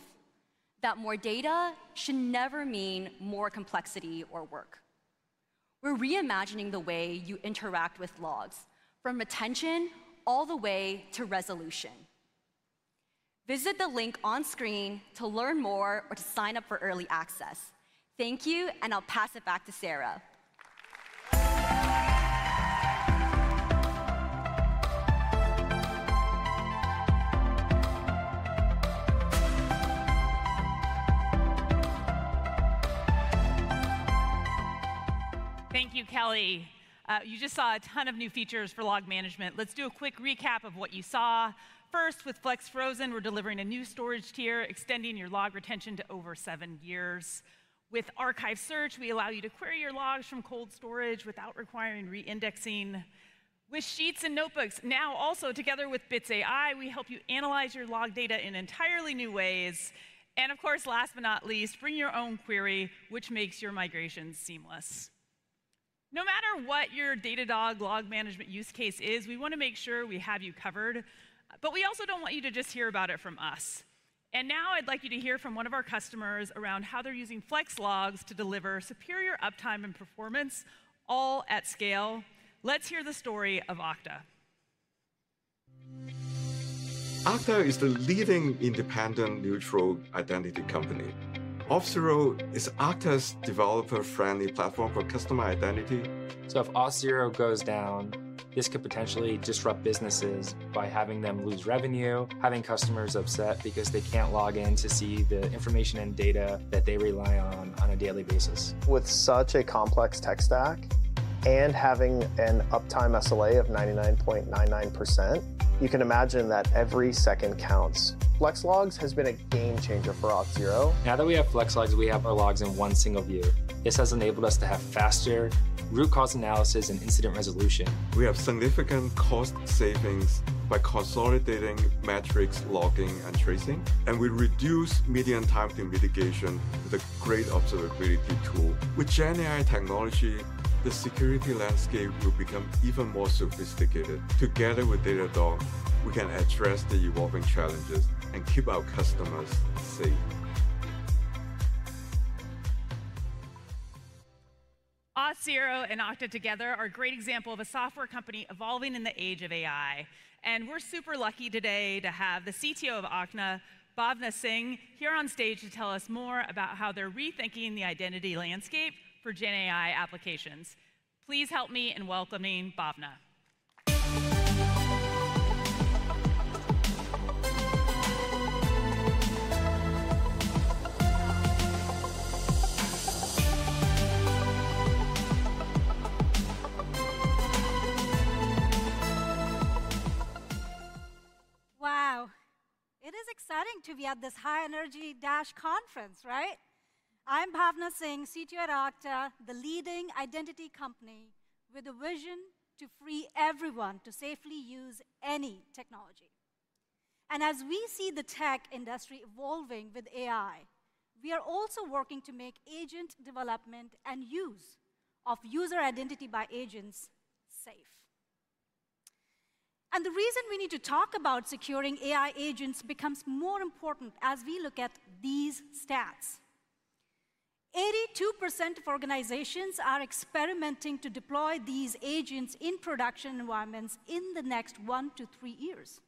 that more data should never mean more complexity or work. We're reimagining the way you interact with logs, from retention all the way to resolution. Visit the link on screen to learn more or to sign up for early access. Thank you, and I'll pass it back to Sarah. Thank you, Kelly. You just saw a ton of new features for log management. Let's do a quick recap of what you saw. First, with Flex Frozen, we're delivering a new storage tier, extending your log retention to over seven years. With Archive Search, we allow you to query your logs from cold storage without requiring reindexing. With Sheets and Notebooks, now also together with BitsAI, we help you analyze your log data in entirely new ways. Of course, last but not least, bring your own query, which makes your migrations seamless. No matter what your Datadog log management use case is, we want to make sure we have you covered. We also do not want you to just hear about it from us. Now I'd like you to hear from one of our customers around how they're using Flex Logs to deliver superior uptime and performance, all at scale. Let's hear the story of Okta. Okta is the leading independent neutral identity company. Auth0 is Okta's developer-friendly platform for customer identity. If Auth0 goes down, this could potentially disrupt businesses by having them lose revenue, having customers upset because they can't log in to see the information and data that they rely on on a daily basis. With such a complex tech stack and having an uptime SLA of 99.99%, you can imagine that every second counts. Flex Logs has been a game changer for Auth0. Now that we have Flex Logs, we have our logs in one single view. This has enabled us to have faster root cause analysis and incident resolution. We have significant cost savings by consolidating metrics, logging, and tracing. We reduce median time to mitigation with a great observability tool. With GenAI technology, the security landscape will become even more sophisticated. Together with Datadog, we can address the evolving challenges and keep our customers safe. Auth0 and Okta together are a great example of a software company evolving in the age of AI. We are super lucky today to have the CTO of Okta, Bhawna Singh, here on stage to tell us more about how they are rethinking the identity landscape for GenAI applications. Please help me in welcoming Bhawna. Wow. It is exciting to be at this high-energy Dash conference, right? I'm Bhawna Singh, CTO at Okta, the leading identity company with a vision to free everyone to safely use any technology. As we see the tech industry evolving with AI, we are also working to make agent development and use of user identity by agents safe. The reason we need to talk about securing AI agents becomes more important as we look at these stats. 82% of organizations are experimenting to deploy these agents in production environments in the next one to three years.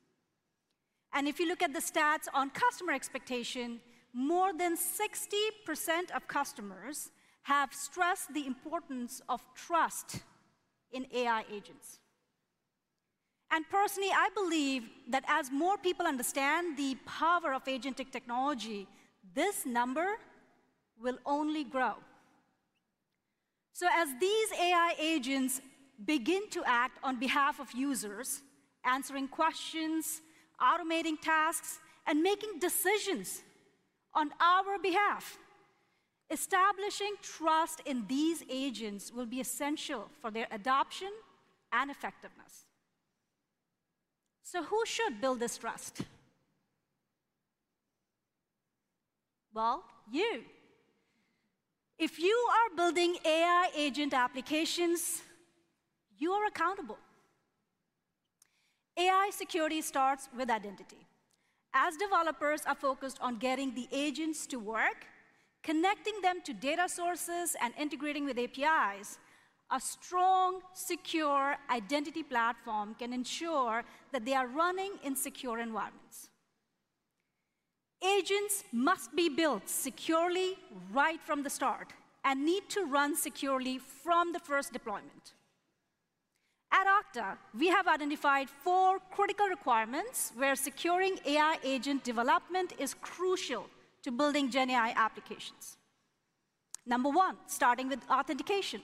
If you look at the stats on customer expectation, more than 60% of customers have stressed the importance of trust in AI agents. Personally, I believe that as more people understand the power of agentic technology, this number will only grow. As these AI agents begin to act on behalf of users, answering questions, automating tasks, and making decisions on our behalf, establishing trust in these agents will be essential for their adoption and effectiveness. Who should build this trust? You. If you are building AI agent applications, you are accountable. AI security starts with identity. As developers are focused on getting the agents to work, connecting them to data sources, and integrating with APIs, a strong, secure identity platform can ensure that they are running in secure environments. Agents must be built securely right from the start and need to run securely from the first deployment. At Okta, we have identified four critical requirements where securing AI agent development is crucial to building GenAI applications. Number one, starting with authentication.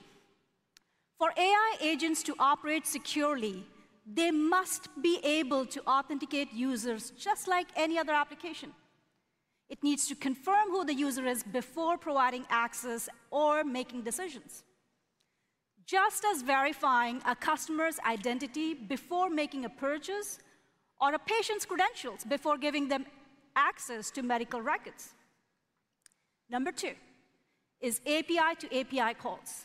For AI agents to operate securely, they must be able to authenticate users just like any other application. It needs to confirm who the user is before providing access or making decisions, just as verifying a customer's identity before making a purchase or a patient's credentials before giving them access to medical records. Number two is API to API calls.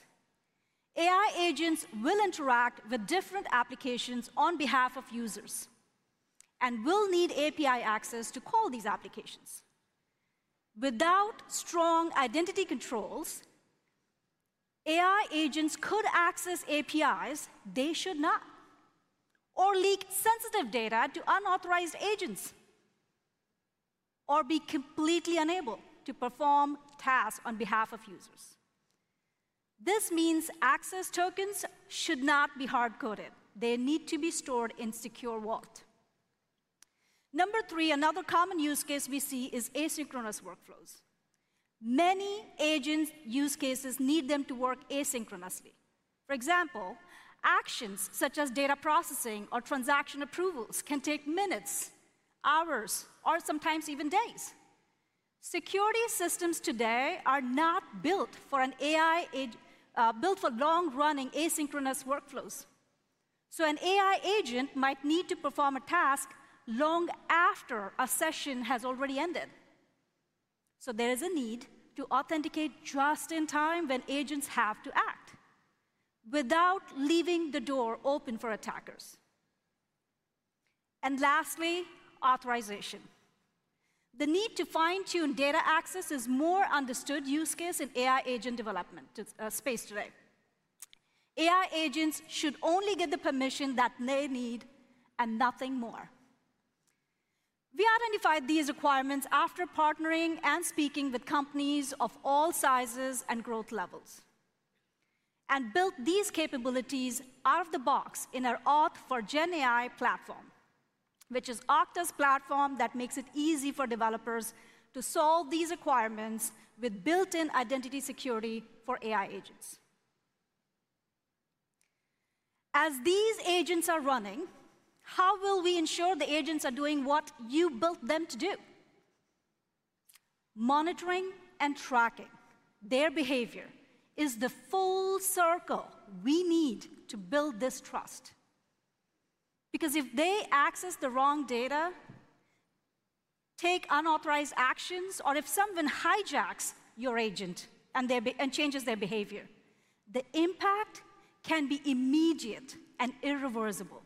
AI agents will interact with different applications on behalf of users and will need API access to call these applications. Without strong identity controls, AI agents could access APIs they should not, or leak sensitive data to unauthorized agents, or be completely unable to perform tasks on behalf of users. This means access tokens should not be hard-coded. They need to be stored in Secure Vault. Number three, another common use case we see is asynchronous workflows. Many agent use cases need them to work asynchronously. For example, actions such as data processing or transaction approvals can take minutes, hours, or sometimes even days. Security systems today are not built for long-running asynchronous workflows. An AI agent might need to perform a task long after a session has already ended. There is a need to authenticate just in time when agents have to act without leaving the door open for attackers. Lastly, authorization. The need to fine-tune data access is a more understood use case in AI agent development space today. AI agents should only get the permission that they need and nothing more. We identified these requirements after partnering and speaking with companies of all sizes and growth levels and built these capabilities out of the box in our Auth for GenAI platform, which is Okta's platform that makes it easy for developers to solve these requirements with built-in identity security for AI agents. As these agents are running, how will we ensure the agents are doing what you built them to do? Monitoring and tracking their behavior is the full circle we need to build this trust. Because if they access the wrong data, take unauthorized actions, or if someone hijacks your agent and changes their behavior, the impact can be immediate and irreversible.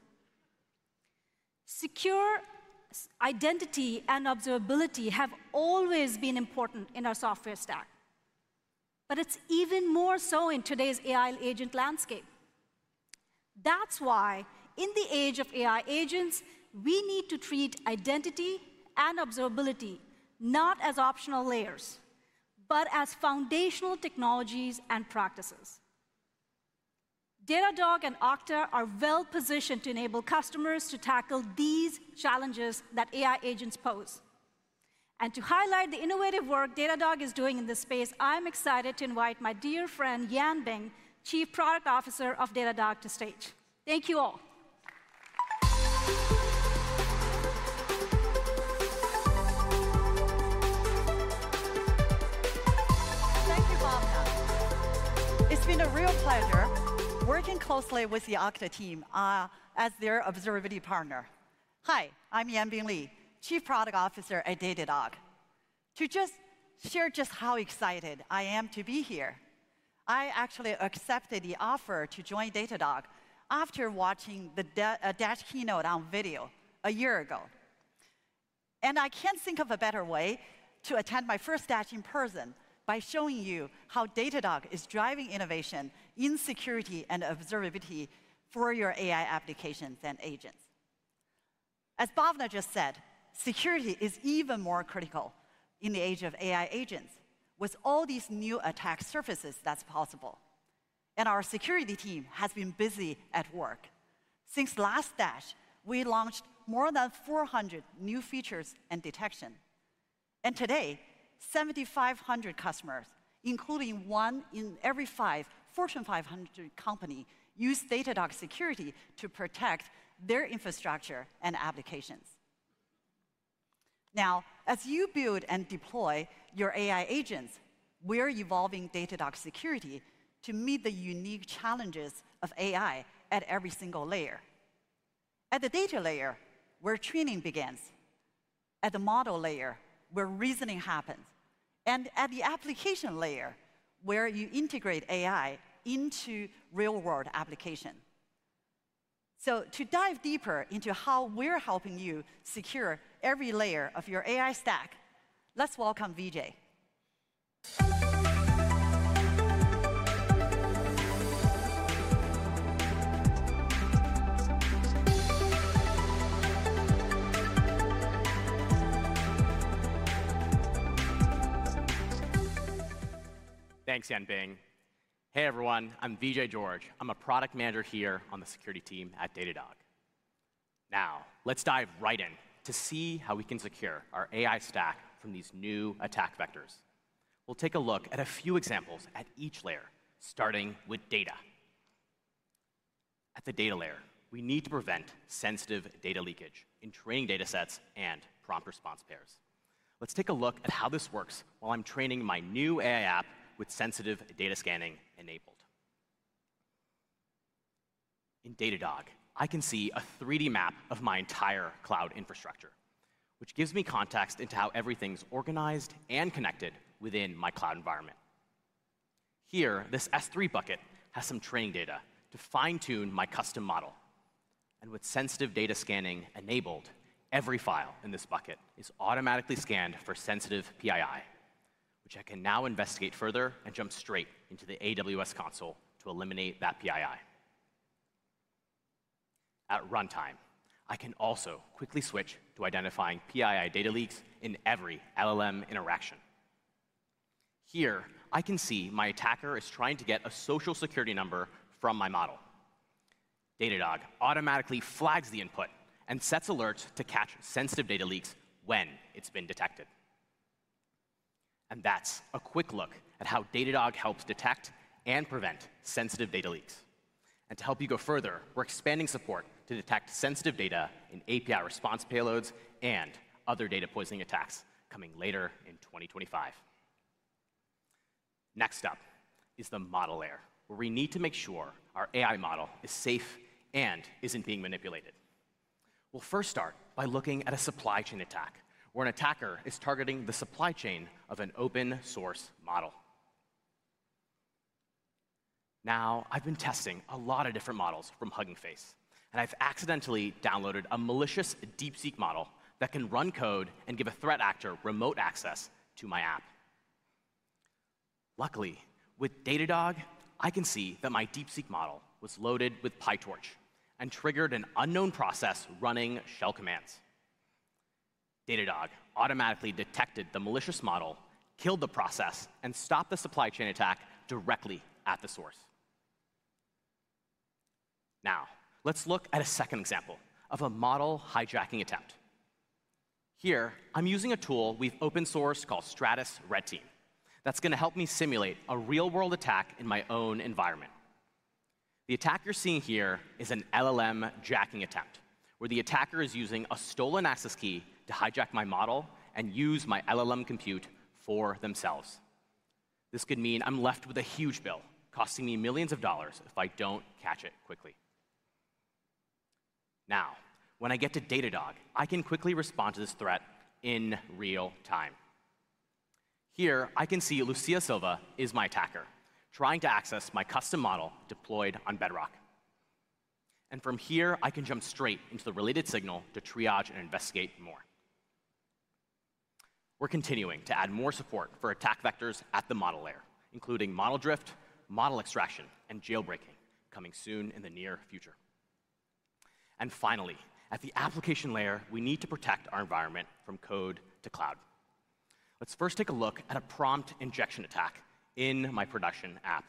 Secure identity and observability have always been important in our software stack, but it's even more so in today's AI agent landscape. That's why in the age of AI agents, we need to treat identity and observability not as optional layers, but as foundational technologies and practices. Datadog and Okta are well-positioned to enable customers to tackle these challenges that AI agents pose. To highlight the innovative work Datadog is doing in this space, I'm excited to invite my dear friend Yanbing, Chief Product Officer of Datadog, to the stage. Thank you all. Thank you, Bhawna. It's been a real pleasure working closely with the Okta team as their observability partner. Hi, I'm Yanbing Li, Chief Product Officer at Datadog. To just share just how excited I am to be here, I actually accepted the offer to join Datadog after watching the dash keynote on video a year ago. I can't think of a better way to attend my first Dash in person by showing you how Datadog is driving innovation in security and observability for your AI applications and agents. As Bhawna just said, security is even more critical in the age of AI agents with all these new attack surfaces that's possible. Our security team has been busy at work. Since last Dash, we launched more than 400 new features and detection. Today, 7,500 customers, including one in every five Fortune 500 companies, use Datadog security to protect their infrastructure and applications. Now, as you build and deploy your AI agents, we're evolving Datadog security to meet the unique challenges of AI at every single layer. At the data layer, where training begins. At the model layer, where reasoning happens. At the application layer, where you integrate AI into real-world application. To dive deeper into how we're helping you secure every layer of your AI stack, let's welcome Vijay. Thanks, Yanbing. Hey, everyone. I'm Vijay George. I'm a Product Manager here on the Security Team at Datadog. Now, let's dive right in to see how we can secure our AI stack from these new attack vectors. We'll take a look at a few examples at each layer, starting with data. At the data layer, we need to prevent sensitive data leakage in training data sets and prompt response pairs. Let's take a look at how this works while I'm training my new AI app with sensitive data scanning enabled. In Datadog, I can see a 3D map of my entire cloud infrastructure, which gives me context into how everything's organized and connected within my cloud environment. Here, this S3 bucket has some training data to fine-tune my custom model. With sensitive data scanning enabled, every file in this bucket is automatically scanned for sensitive PII, which I can now investigate further and jump straight into the AWS console to eliminate that PII. At runtime, I can also quickly switch to identifying PII data leaks in every LLM interaction. Here, I can see my attacker is trying to get a social security number from my model. Datadog automatically flags the input and sets alerts to catch sensitive data leaks when it has been detected. That is a quick look at how Datadog helps detect and prevent sensitive data leaks. To help you go further, we are expanding support to detect sensitive data in API response payloads and other data poisoning attacks coming later in 2025. Next up is the model layer, where we need to make sure our AI model is safe and is not being manipulated. We'll first start by looking at a supply chain attack, where an attacker is targeting the supply chain of an open-source model. Now, I've been testing a lot of different models from Hugging Face, and I've accidentally downloaded a malicious DeepSeek model that can run code and give a threat actor remote access to my app. Luckily, with Datadog, I can see that my DeepSeek model was loaded with PyTorch and triggered an unknown process running shell commands. Datadog automatically detected the malicious model, killed the process, and stopped the supply chain attack directly at the source. Now, let's look at a second example of a model hijacking attempt. Here, I'm using a tool we've open-sourced called Stratus Red Team that's going to help me simulate a real-world attack in my own environment. The attack you're seeing here is an LLM jacking attempt, where the attacker is using a stolen access key to hijack my model and use my LLM compute for themselves. This could mean I'm left with a huge bill costing me millions of dollars if I don't catch it quickly. Now, when I get to Datadog, I can quickly respond to this threat in real time. Here, I can see Lucia Silva is my attacker trying to access my custom model deployed on Bedrock. From here, I can jump straight into the related signal to triage and investigate more. We're continuing to add more support for attack vectors at the model layer, including model drift, model extraction, and jailbreaking coming soon in the near future. Finally, at the application layer, we need to protect our environment from code to cloud. Let's first take a look at a prompt injection attack in my production app.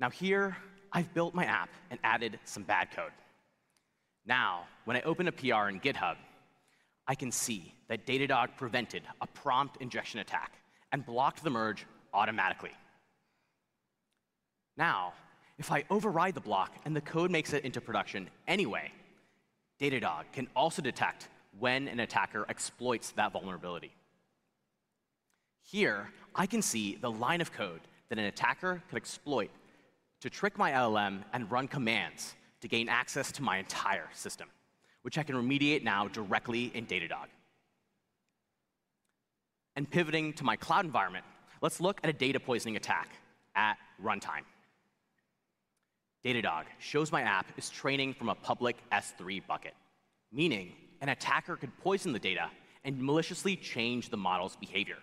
Now, here, I've built my app and added some bad code. Now, when I open a PR in GitHub, I can see that Datadog prevented a prompt injection attack and blocked the merge automatically. Now, if I override the block and the code makes it into production anyway, Datadog can also detect when an attacker exploits that vulnerability. Here, I can see the line of code that an attacker could exploit to trick my LLM and run commands to gain access to my entire system, which I can remediate now directly in Datadog. Pivoting to my cloud environment, let's look at a data poisoning attack at runtime. Datadog shows my app is training from a public S3 bucket, meaning an attacker could poison the data and maliciously change the model's behavior.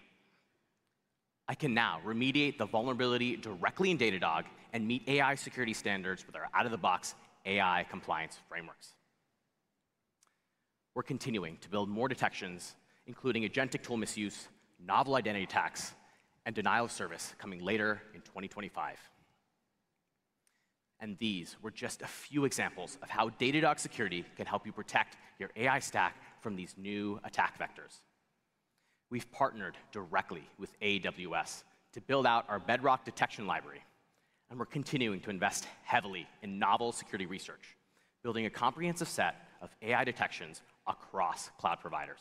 I can now remediate the vulnerability directly in Datadog and meet AI security standards with our out-of-the-box AI compliance frameworks. We are continuing to build more detections, including agentic tool misuse, novel identity attacks, and denial of service coming later in 2025. These were just a few examples of how Datadog security can help you protect your AI stack from these new attack vectors. We have partnered directly with AWS to build out our Bedrock detection library, and we are continuing to invest heavily in novel security research, building a comprehensive set of AI detections across cloud providers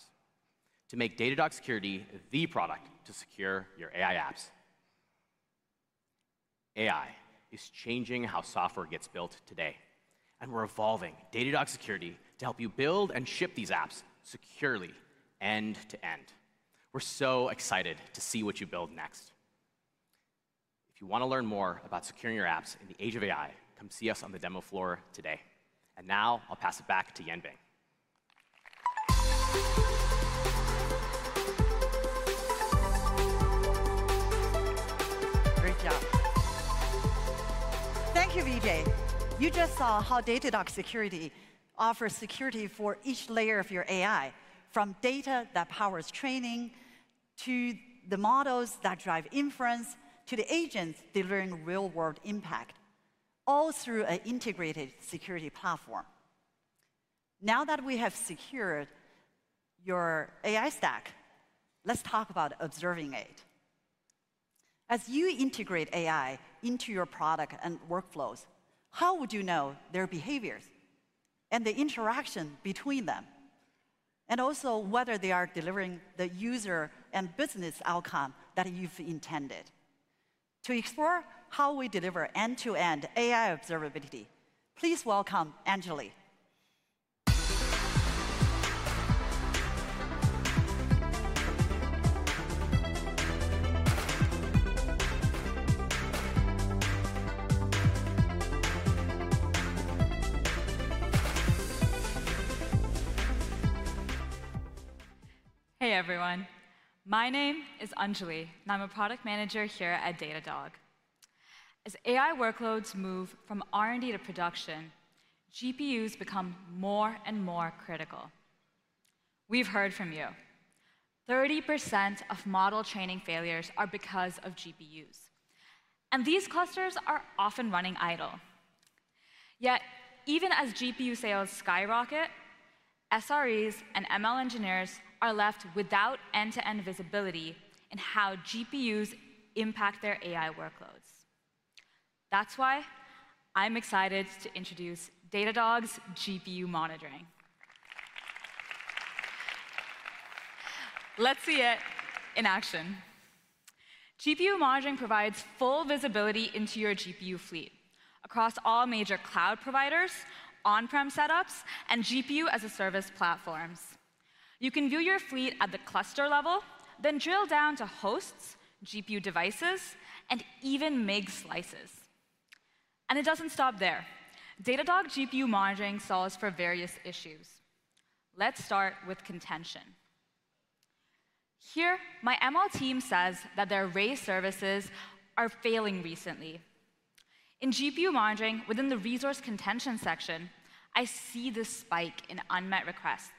to make Datadog security the product to secure your AI apps. AI is changing how software gets built today, and we are evolving Datadog security to help you build and ship these apps securely end to end. We are so excited to see what you build next. If you want to learn more about securing your apps in the age of AI, come see us on the demo floor today. Now, I'll pass it back to Yanbing. Great job. Thank you, Vijay. You just saw how Datadog security offers security for each layer of your AI, from data that powers training to the models that drive inference to the agents that learn real-world impact, all through an integrated security platform. Now that we have secured your AI stack, let's talk about observing it. As you integrate AI into your product and workflows, how would you know their behaviors and the interaction between them, and also whether they are delivering the user and business outcome that you've intended? To explore how we deliver end-to-end AI observability, please welcome Anjali. Hey, everyone. My name is Anjali, and I'm a Product Manager here at Datadog. As AI workloads move from R&D to production, GPUs become more and more critical. We've heard from you. 30% of model training failures are because of GPUs, and these clusters are often running idle. Yet, even as GPU sales skyrocket, SREs and ML engineers are left without end-to-end visibility in how GPUs impact their AI workloads. That is why I'm excited to introduce Datadog's GPU Monitoring. Let's see it in action. GPU Monitoring provides full visibility into your GPU fleet across all major cloud providers, on-prem setups, and GPU-as-a-service platforms. You can view your fleet at the cluster level, then drill down to hosts, GPU devices, and even MIG slices. It does not stop there. Datadog GPU Monitoring solves for various issues. Let's start with contention. Here, my ML team says that their race services are failing recently. In GPU monitoring within the resource contention section, I see this spike in unmet requests,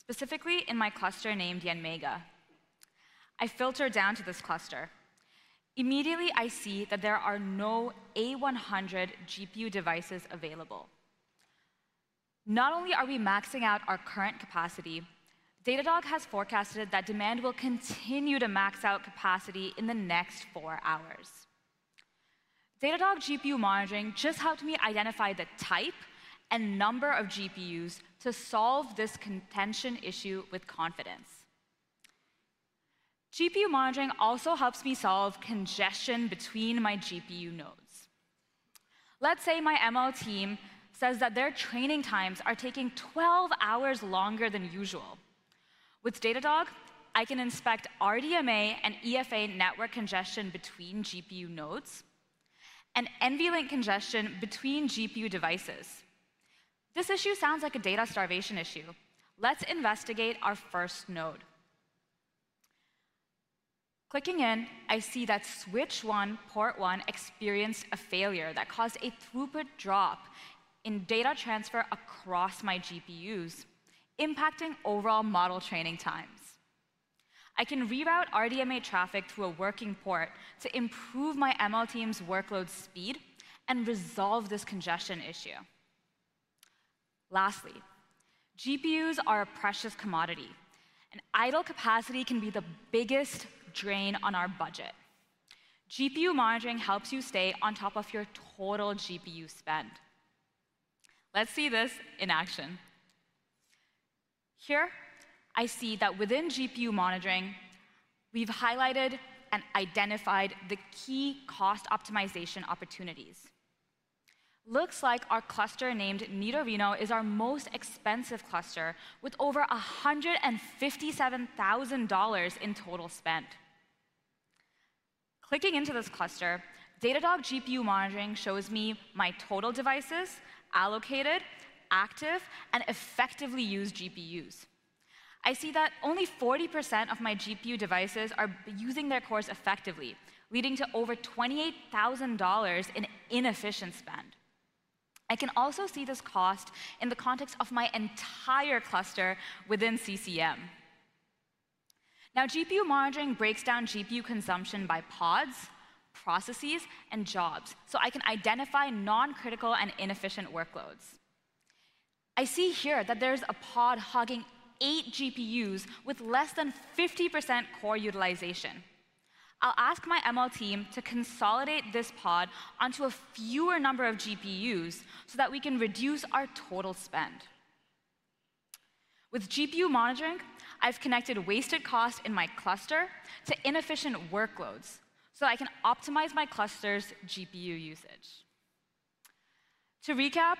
specifically in my cluster named Yanmega. I filter down to this cluster. Immediately, I see that there are no A100 GPU devices available. Not only are we maxing out our current capacity, Datadog has forecasted that demand will continue to max out capacity in the next four hours. Datadog GPU monitoring just helped me identify the type and number of GPUs to solve this contention issue with confidence. GPU monitoring also helps me solve congestion between my GPU nodes. Let's say my ML team says that their training times are taking 12 hours longer than usual. With Datadog, I can inspect RDMA and EFA network congestion between GPU nodes and NVLink congestion between GPU devices. This issue sounds like a data starvation issue. Let's investigate our first node. Clicking in, I see that switch one, port one, experienced a failure that caused a throughput drop in data transfer across my GPUs, impacting overall model training times. I can reroute RDMA traffic to a working port to improve my ML team's workload speed and resolve this congestion issue. Lastly, GPUs are a precious commodity, and idle capacity can be the biggest drain on our budget. GPU monitoring helps you stay on top of your total GPU spend. Let's see this in action. Here, I see that within GPU monitoring, we've highlighted and identified the key cost optimization opportunities. Looks like our cluster named Nidorino is our most expensive cluster with over $157,000 in total spent. Clicking into this cluster, Datadog GPU monitoring shows me my total devices allocated, active, and effectively used GPUs. I see that only 40% of my GPU devices are using their cores effectively, leading to over $28,000 in inefficient spend. I can also see this cost in the context of my entire cluster within CCM. Now, GPU Monitoring breaks down GPU consumption by pods, processes, and jobs, so I can identify non-critical and inefficient workloads. I see here that there's a pod hogging eight GPUs with less than 50% core utilization. I'll ask my ML team to consolidate this pod onto a fewer number of GPUs so that we can reduce our total spend. With GPU Monitoring, I've connected wasted cost in my cluster to inefficient workloads, so I can optimize my cluster's GPU usage. To recap,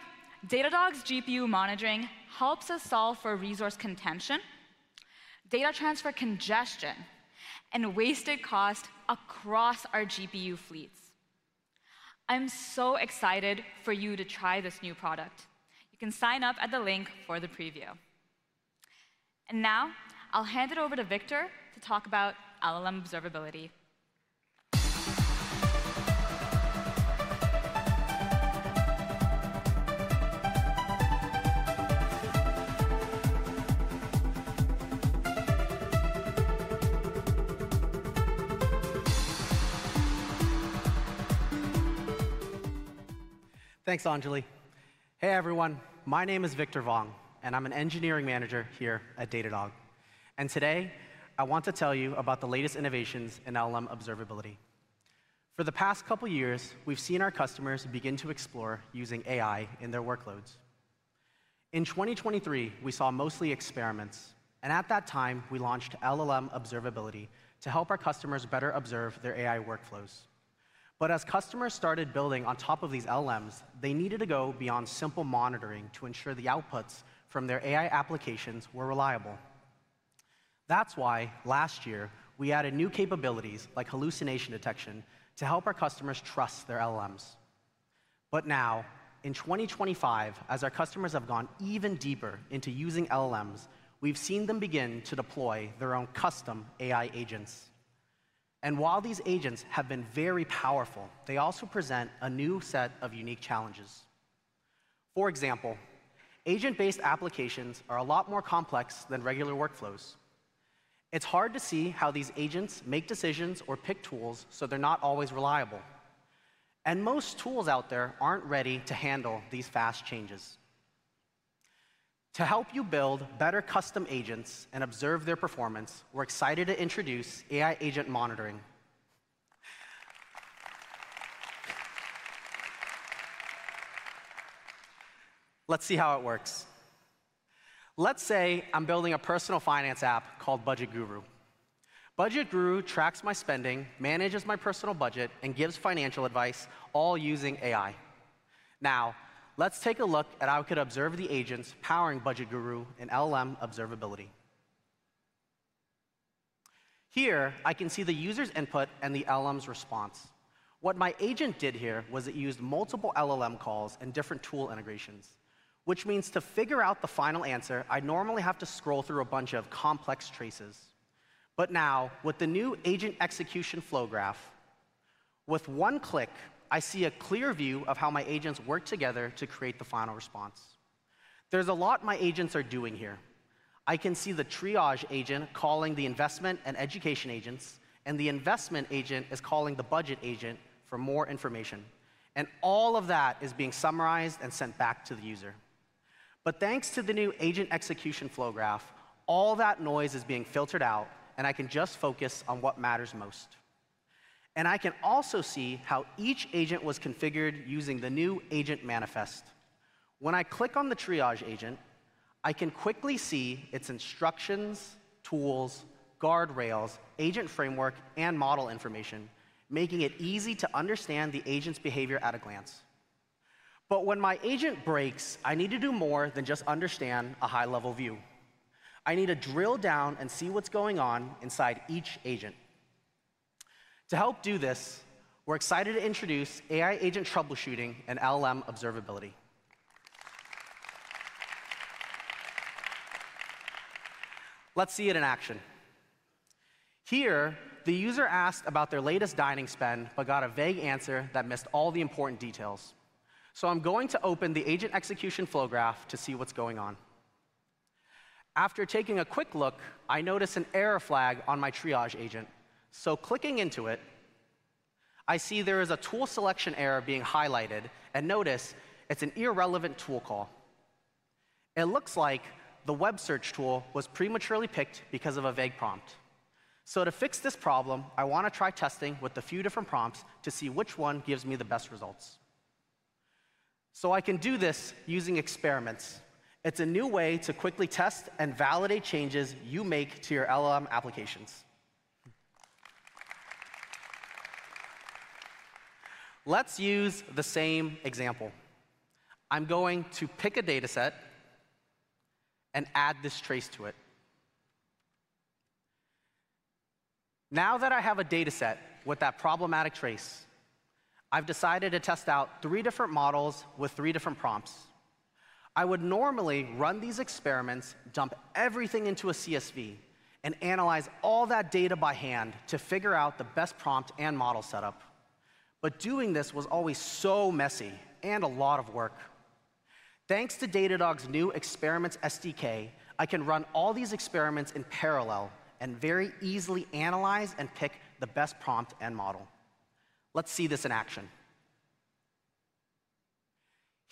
Datadog's GPU Monitoring helps us solve for resource contention, data transfer congestion, and wasted cost across our GPU fleets. I'm so excited for you to try this new product. You can sign up at the link for the preview. Now, I'll hand it over to Victor to talk about LLM observability. Thanks, Angeli. Hey, everyone. My name is Victor Vong, and I'm an engineering manager here at Datadog. Today, I want to tell you about the latest innovations in LLM observability. For the past couple of years, we've seen our customers begin to explore using AI in their workloads. In 2023, we saw mostly experiments, and at that time, we launched LLM observability to help our customers better observe their AI workflows. As customers started building on top of these LLMs, they needed to go beyond simple monitoring to ensure the outputs from their AI applications were reliable. That is why last year, we added new capabilities like hallucination detection to help our customers trust their LLMs. Now, in 2025, as our customers have gone even deeper into using LLMs, we've seen them begin to deploy their own custom AI agents. While these agents have been very powerful, they also present a new set of unique challenges. For example, agent-based applications are a lot more complex than regular workflows. It's hard to see how these agents make decisions or pick tools so they're not always reliable. Most tools out there aren't ready to handle these fast changes. To help you build better custom agents and observe their performance, we're excited to introduce AI agent monitoring. Let's see how it works. Let's say I'm building a personal finance app called Budget Guru. Budget Guru tracks my spending, manages my personal budget, and gives financial advice all using AI. Now, let's take a look at how I could observe the agents powering Budget Guru in LLM observability. Here, I can see the user's input and the LLM's response. What my agent did here was it used multiple LLM calls and different tool integrations, which means to figure out the final answer, I normally have to scroll through a bunch of complex traces. Now, with the new agent execution flow graph, with one click, I see a clear view of how my agents work together to create the final response. There's a lot my agents are doing here. I can see the triage agent calling the investment and education agents, and the investment agent is calling the budget agent for more information. All of that is being summarized and sent back to the user. Thanks to the new agent execution flow graph, all that noise is being filtered out, and I can just focus on what matters most. I can also see how each agent was configured using the new agent manifest. When I click on the triage agent, I can quickly see its instructions, tools, guardrails, agent framework, and model information, making it easy to understand the agent's behavior at a glance. When my agent breaks, I need to do more than just understand a high-level view. I need to drill down and see what's going on inside each agent. To help do this, we're excited to introduce AI agent troubleshooting and LLM observability. Let's see it in action. Here, the user asked about their latest dining spend but got a vague answer that missed all the important details. I'm going to open the agent execution flow graph to see what's going on. After taking a quick look, I notice an error flag on my triage agent. Clicking into it, I see there is a tool selection error being highlighted, and notice it's an irrelevant tool call. It looks like the web search tool was prematurely picked because of a vague prompt. To fix this problem, I want to try testing with a few different prompts to see which one gives me the best results. I can do this using experiments. It's a new way to quickly test and validate changes you make to your LLM applications. Let's use the same example. I'm going to pick a data set and add this trace to it. Now that I have a data set with that problematic trace, I've decided to test out three different models with three different prompts. I would normally run these experiments, dump everything into a CSV, and analyze all that data by hand to figure out the best prompt and model setup. Doing this was always so messy and a lot of work. Thanks to Datadog's new experiments SDK, I can run all these experiments in parallel and very easily analyze and pick the best prompt and model. Let's see this in action.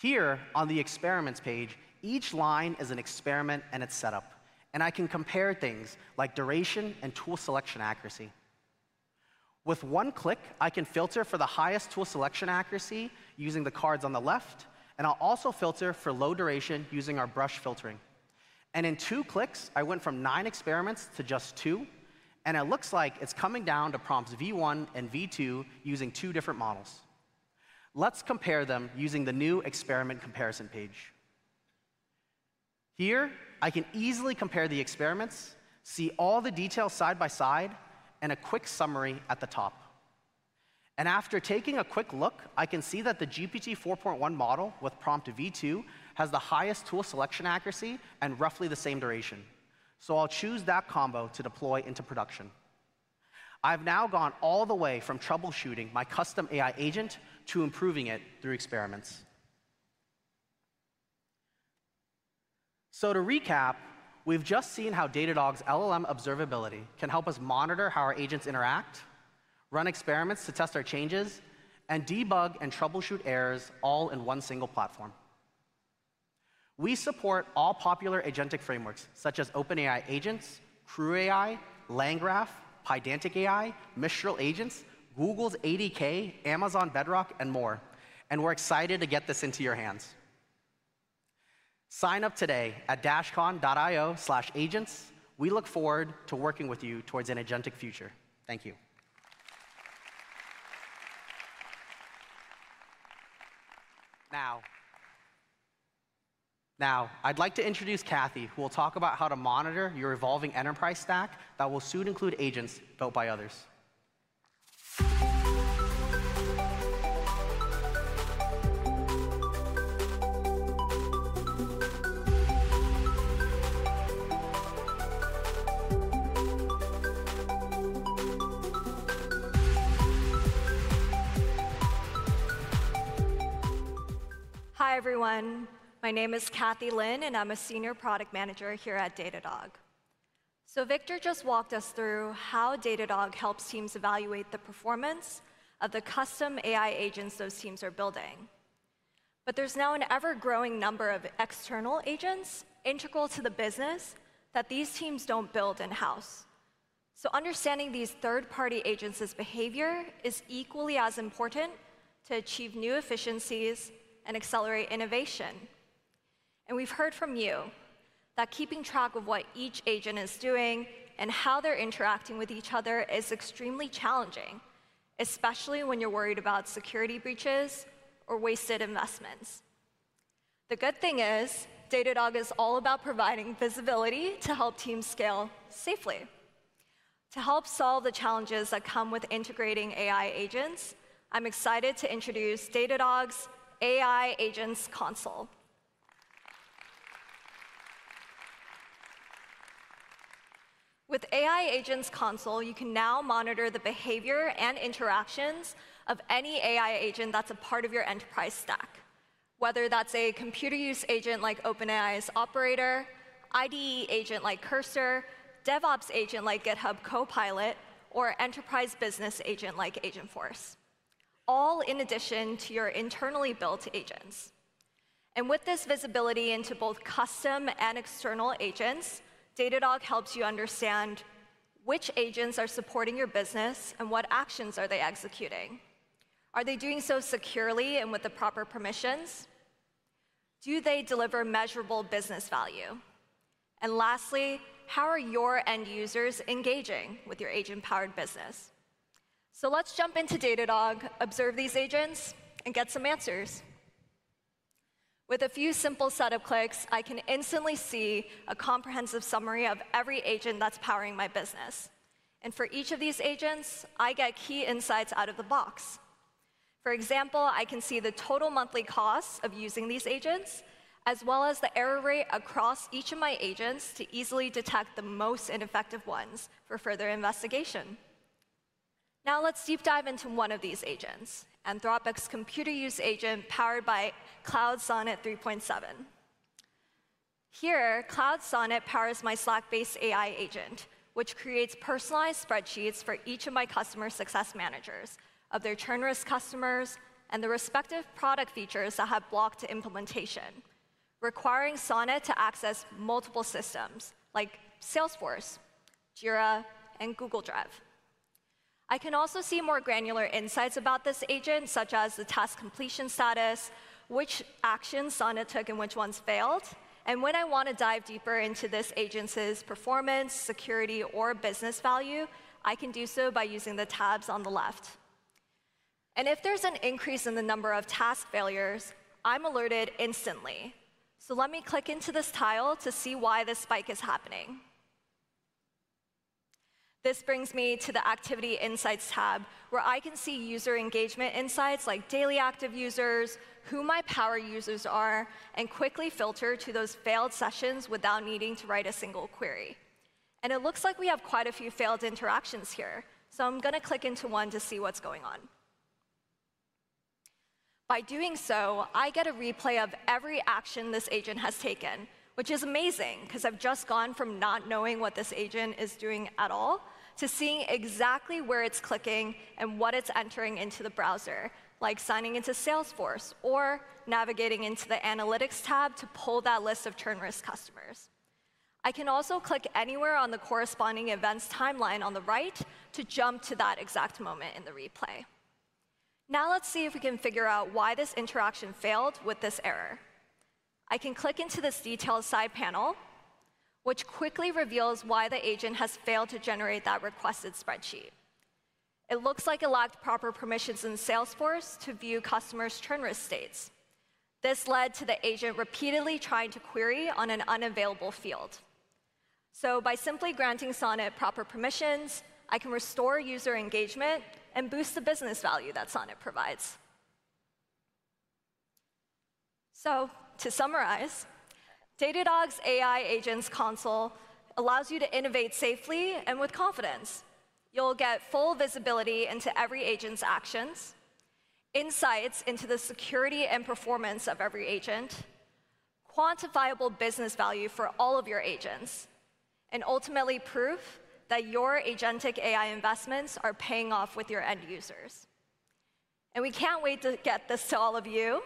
Here, on the experiments page, each line is an experiment and its setup, and I can compare things like duration and tool selection accuracy. With one click, I can filter for the highest tool selection accuracy using the cards on the left, and I'll also filter for low duration using our brush filtering. In two clicks, I went from nine experiments to just two, and it looks like it's coming down to prompts V1 and V2 using two different models. Let's compare them using the new experiment comparison page. Here, I can easily compare the experiments, see all the details side by side, and a quick summary at the top. After taking a quick look, I can see that the GPT-4.1 model with prompt V2 has the highest tool selection accuracy and roughly the same duration. I'll choose that combo to deploy into production. I've now gone all the way from troubleshooting my custom AI agent to improving it through experiments. To recap, we've just seen how Datadog's LLM Observability can help us monitor how our agents interact, run experiments to test our changes, and debug and troubleshoot errors all in one single platform. We support all popular agentic frameworks, such as OpenAI Agents, CrewAI, LangGraph, Pydantic AI, Mistral Agents, Google's ADK, Amazon Bedrock, and more. We're excited to get this into your hands. Sign up today at dashcon.io/agents. We look forward to working with you towards an agentic future. Thank you. Now, I'd like to introduce Kathy, who will talk about how to monitor your evolving enterprise stack that will soon include agents built by others. Hi, everyone. My name is Kathy Lin, and I'm a Senior Product Manager here at Datadog. Victor just walked us through how Datadog helps teams evaluate the performance of the custom AI agents those teams are building. There's now an ever-growing number of external agents integral to the business that these teams don't build in-house. Understanding these third-party agents' behavior is equally as important to achieve new efficiencies and accelerate innovation. We've heard from you that keeping track of what each agent is doing and how they're interacting with each other is extremely challenging, especially when you're worried about security breaches or wasted investments. The good thing is Datadog is all about providing visibility to help teams scale safely. To help solve the challenges that come with integrating AI agents, I'm excited to introduce Datadog's AI Agents Console. With AI Agents Console, you can now monitor the behavior and interactions of any AI agent that's a part of your enterprise stack, whether that's a computer use agent like OpenAI's Operator, IDE agent like Cursor, DevOps agent like GitHub Copilot, or enterprise business agent like Agentforce, all in addition to your internally built agents. With this visibility into both custom and external agents, Datadog helps you understand which agents are supporting your business and what actions are they executing. Are they doing so securely and with the proper permissions? Do they deliver measurable business value? Lastly, how are your end users engaging with your agent-powered business? Let's jump into Datadog, observe these agents, and get some answers. With a few simple setup clicks, I can instantly see a comprehensive summary of every agent that's powering my business. For each of these agents, I get key insights out of the box. For example, I can see the total monthly costs of using these agents, as well as the error rate across each of my agents to easily detect the most ineffective ones for further investigation. Now let's deep dive into one of these agents, Anthropic's computer use agent powered by Claude Sonnet 3.7. Here, Claude Sonnet powers my Slack-based AI agent, which creates personalized spreadsheets for each of my customer success managers of their churn risk customers and the respective product features that have blocked implementation, requiring Sonnet to access multiple systems like Salesforce, Jira, and Google Drive. I can also see more granular insights about this agent, such as the task completion status, which actions Sonnet took and which ones failed. When I want to dive deeper into this agent's performance, security, or business value, I can do so by using the tabs on the left. If there's an increase in the number of task failures, I'm alerted instantly. Let me click into this tile to see why this spike is happening. This brings me to the Activity Insights tab, where I can see user engagement insights like daily active users, who my power users are, and quickly filter to those failed sessions without needing to write a single query. It looks like we have quite a few failed interactions here. I'm going to click into one to see what's going on. By doing so, I get a replay of every action this agent has taken, which is amazing because I've just gone from not knowing what this agent is doing at all to seeing exactly where it's clicking and what it's entering into the browser, like signing into Salesforce or navigating into the Analytics tab to pull that list of churn risk customers. I can also click anywhere on the corresponding events timeline on the right to jump to that exact moment in the replay. Now let's see if we can figure out why this interaction failed with this error. I can click into this detailed side panel, which quickly reveals why the agent has failed to generate that requested spreadsheet. It looks like it lacked proper permissions in Salesforce to view customers' churn risk states. This led to the agent repeatedly trying to query on an unavailable field. By simply granting Sonnet proper permissions, I can restore user engagement and boost the business value that Sonnet provides. To summarize, Datadog's AI Agents Console allows you to innovate safely and with confidence. You'll get full visibility into every agent's actions, insights into the security and performance of every agent, quantifiable business value for all of your agents, and ultimately proof that your agentic AI investments are paying off with your end users. We can't wait to get this to all of you.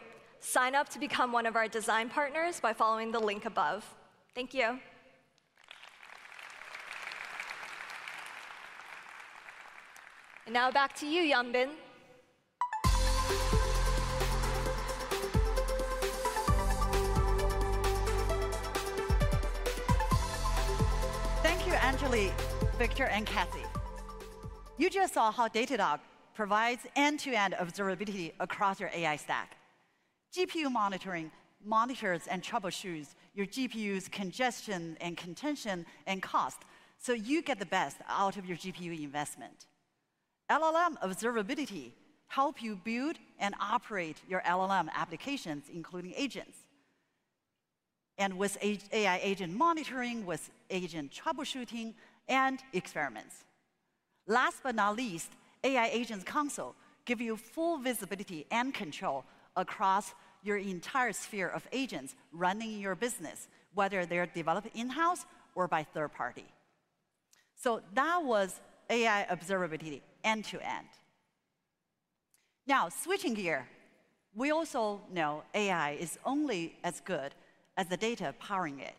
Sign up to become one of our design partners by following the link above. Thank you. Now back to you, Yanbing. Thank you, Anjali, Victor, and Kathy. You just saw how Datadog provides end-to-end observability across your AI stack. GPU Monitoring monitors and troubleshoots your GPU's congestion and contention and cost so you get the best out of your GPU investment. LLM observability helps you build and operate your LLM applications, including agents, and with AI agent monitoring, with agent troubleshooting, and experiments. Last but not least, AI Agents Console gives you full visibility and control across your entire sphere of agents running your business, whether they're developed in-house or by third party. That was AI observability end-to-end. Now, switching gear, we also know AI is only as good as the data powering it.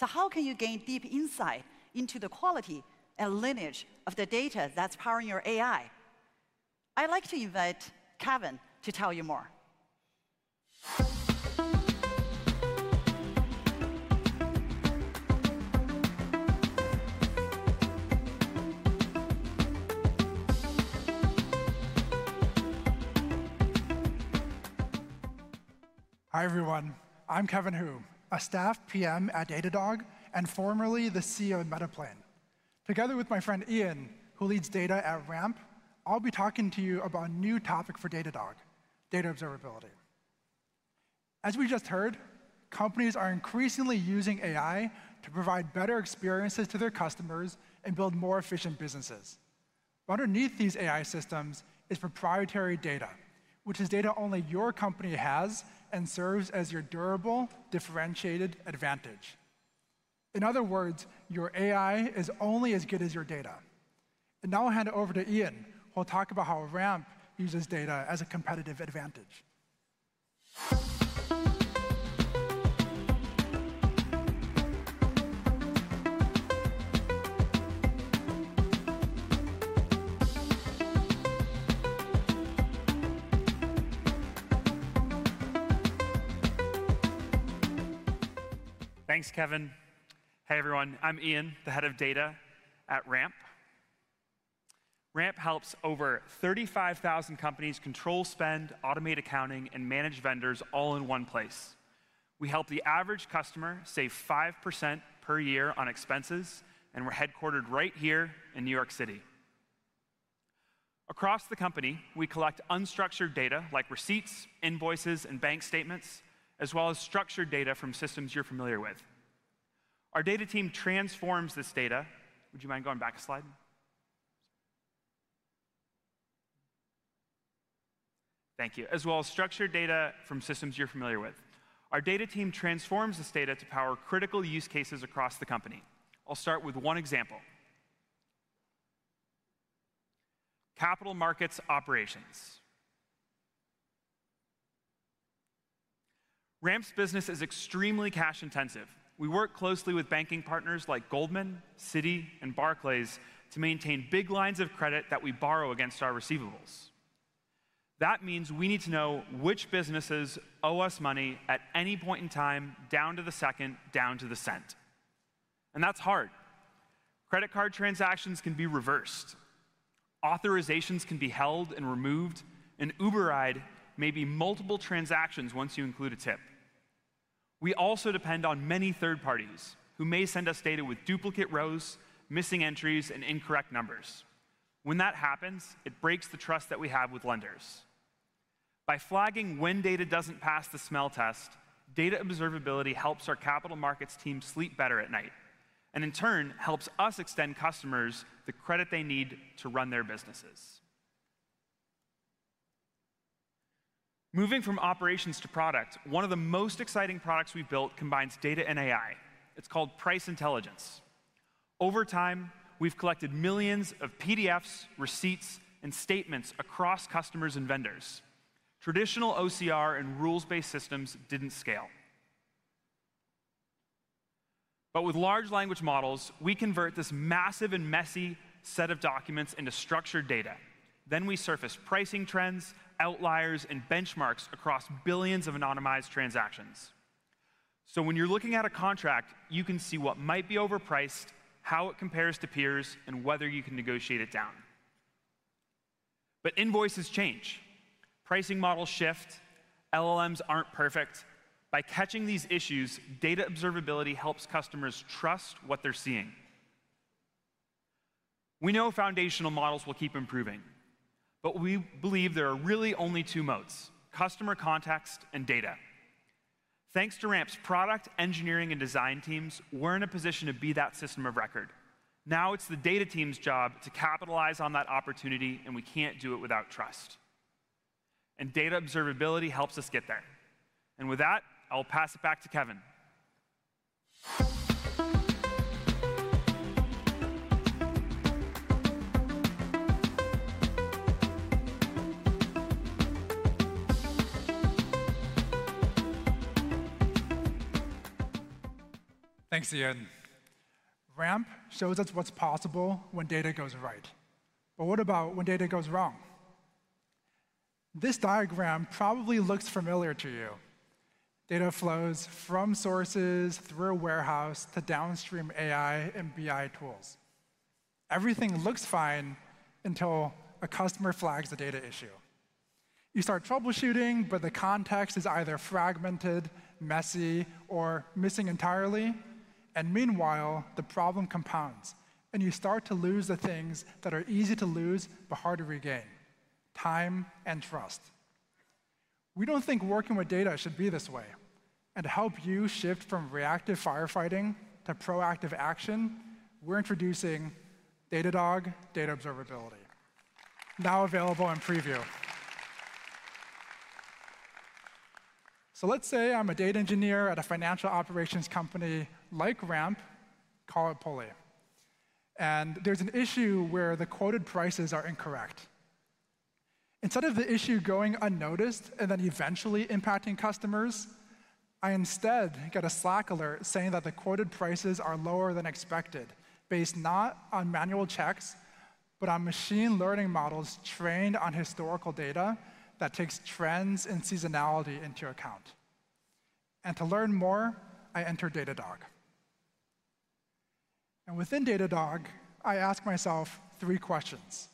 How can you gain deep insight into the quality and lineage of the data that's powering your AI? I'd like to invite Kevin to tell you more. Hi, everyone. I'm Kevin Hu, a staff PM at Datadog and formerly the CEO at Metaplane. Together with my friend Ian, who leads data at Ramp, I'll be talking to you about a new topic for Datadog, data observability. As we just heard, companies are increasingly using AI to provide better experiences to their customers and build more efficient businesses. Underneath these AI systems is proprietary data, which is data only your company has and serves as your durable differentiated advantage. In other words, your AI is only as good as your data. Now I'll hand it over to Ian, who will talk about how Ramp uses data as a competitive advantage. Thanks, Kevin. Hey, everyone. I'm Ian, the head of data at Ramp. Ramp helps over 35,000 companies control spend, automate accounting, and manage vendors all in one place. We help the average customer save 5% per year on expenses, and we're headquartered right here in New York City. Across the company, we collect unstructured data like receipts, invoices, and bank statements, as well as structured data from systems you're familiar with. Our data team transforms this data. Would you mind going back a slide? Thank you. As well as structured data from systems you're familiar with. Our data team transforms this data to power critical use cases across the company. I'll start with one example. Capital Markets Operations. Ramp's business is extremely cash intensive. We work closely with banking partners like Goldman Sachs, Citi, and Barclays to maintain big lines of credit that we borrow against our receivables. That means we need to know which businesses owe us money at any point in time, down to the second, down to the cent. That is hard. Credit card transactions can be reversed. Authorizations can be held and removed, and an Uber ride may be multiple transactions once you include a tip. We also depend on many third parties who may send us data with duplicate rows, missing entries, and incorrect numbers. When that happens, it breaks the trust that we have with lenders. By flagging when data doesn't pass the smell test, data observability helps our capital markets team sleep better at night, and in turn, helps us extend customers the credit they need to run their businesses. Moving from operations to product, one of the most exciting products we've built combines data and AI. It's called Price Intelligence. Over time, we've collected millions of PDFs, receipts, and statements across customers and vendors. Traditional OCR and rules-based systems didn't scale. With large language models, we convert this massive and messy set of documents into structured data. Then we surface pricing trends, outliers, and benchmarks across billions of anonymized transactions. When you're looking at a contract, you can see what might be overpriced, how it compares to peers, and whether you can negotiate it down. Invoices change. Pricing models shift. LLMs aren't perfect. By catching these issues, data observability helps customers trust what they're seeing. We know foundational models will keep improving, but we believe there are really only two moats: customer context and data. Thanks to Ramp's product engineering and design teams, we're in a position to be that system of record. Now it's the data team's job to capitalize on that opportunity, and we can't do it without trust. Data observability helps us get there. With that, I'll pass it back to Kevin. Thanks, Ian. Ramp shows us what's possible when data goes right. What about when data goes wrong? This diagram probably looks familiar to you. Data flows from sources through a warehouse to downstream AI and BI tools. Everything looks fine until a customer flags a data issue. You start troubleshooting, but the context is either fragmented, messy, or missing entirely. Meanwhile, the problem compounds, and you start to lose the things that are easy to lose but hard to regain: time and trust. We do not think working with data should be this way. To help you shift from reactive firefighting to proactive action, we are introducing Datadog Data Observability, now available in preview. Let's say I am a data engineer at a financial operations company like Ramp, call it Pully. There is an issue where the quoted prices are incorrect. Instead of the issue going unnoticed and then eventually impacting customers, I get a Slack alert saying that the quoted prices are lower than expected, based not on manual checks, but on machine learning models trained on historical data that takes trends and seasonality into account. To learn more, I enter Datadog. Within Datadog, I ask myself three questions.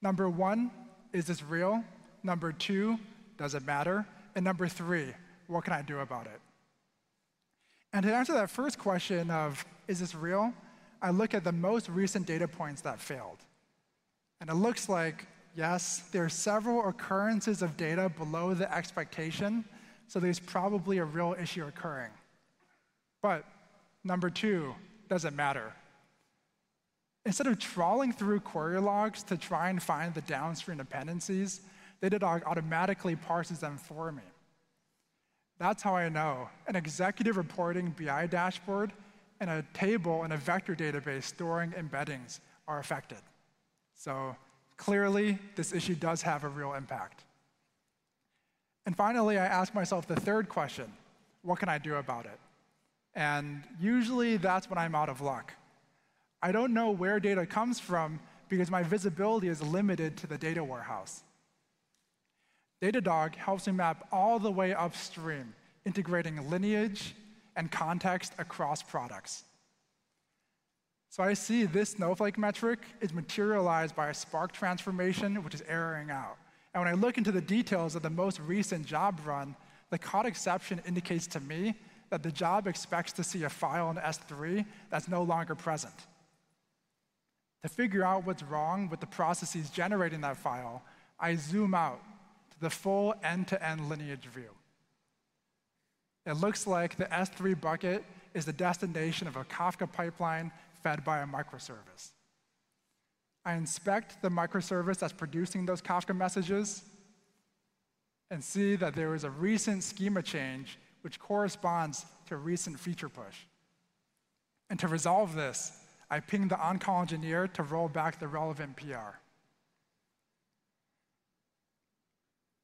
Number one, is this real? Number two, does it matter? Number three, what can I do about it? To answer that first question of, is this real, I look at the most recent data points that failed. It looks like, yes, there are several occurrences of data below the expectation, so there is probably a real issue occurring. Number two, does it matter? Instead of trawling through query logs to try and find the downstream dependencies, Datadog automatically parses them for me. That is how I know an executive reporting BI dashboard and a table in a vector database storing embeddings are affected. Clearly, this issue does have a real impact. Finally, I ask myself the third question, what can I do about it? Usually, that is when I am out of luck. I don't know where data comes from because my visibility is limited to the data warehouse. Datadog helps me map all the way upstream, integrating lineage and context across products. I see this Snowflake metric is materialized by a Spark transformation, which is erroring out. When I look into the details of the most recent job run, the code exception indicates to me that the job expects to see a file in S3 that's no longer present. To figure out what's wrong with the processes generating that file, I zoom out to the full end-to-end lineage view. It looks like the S3 bucket is the destination of a Kafka pipeline fed by a microservice. I inspect the microservice that's producing those Kafka messages and see that there is a recent schema change, which corresponds to a recent feature push. To resolve this, I ping the on-call engineer to roll back the relevant PR.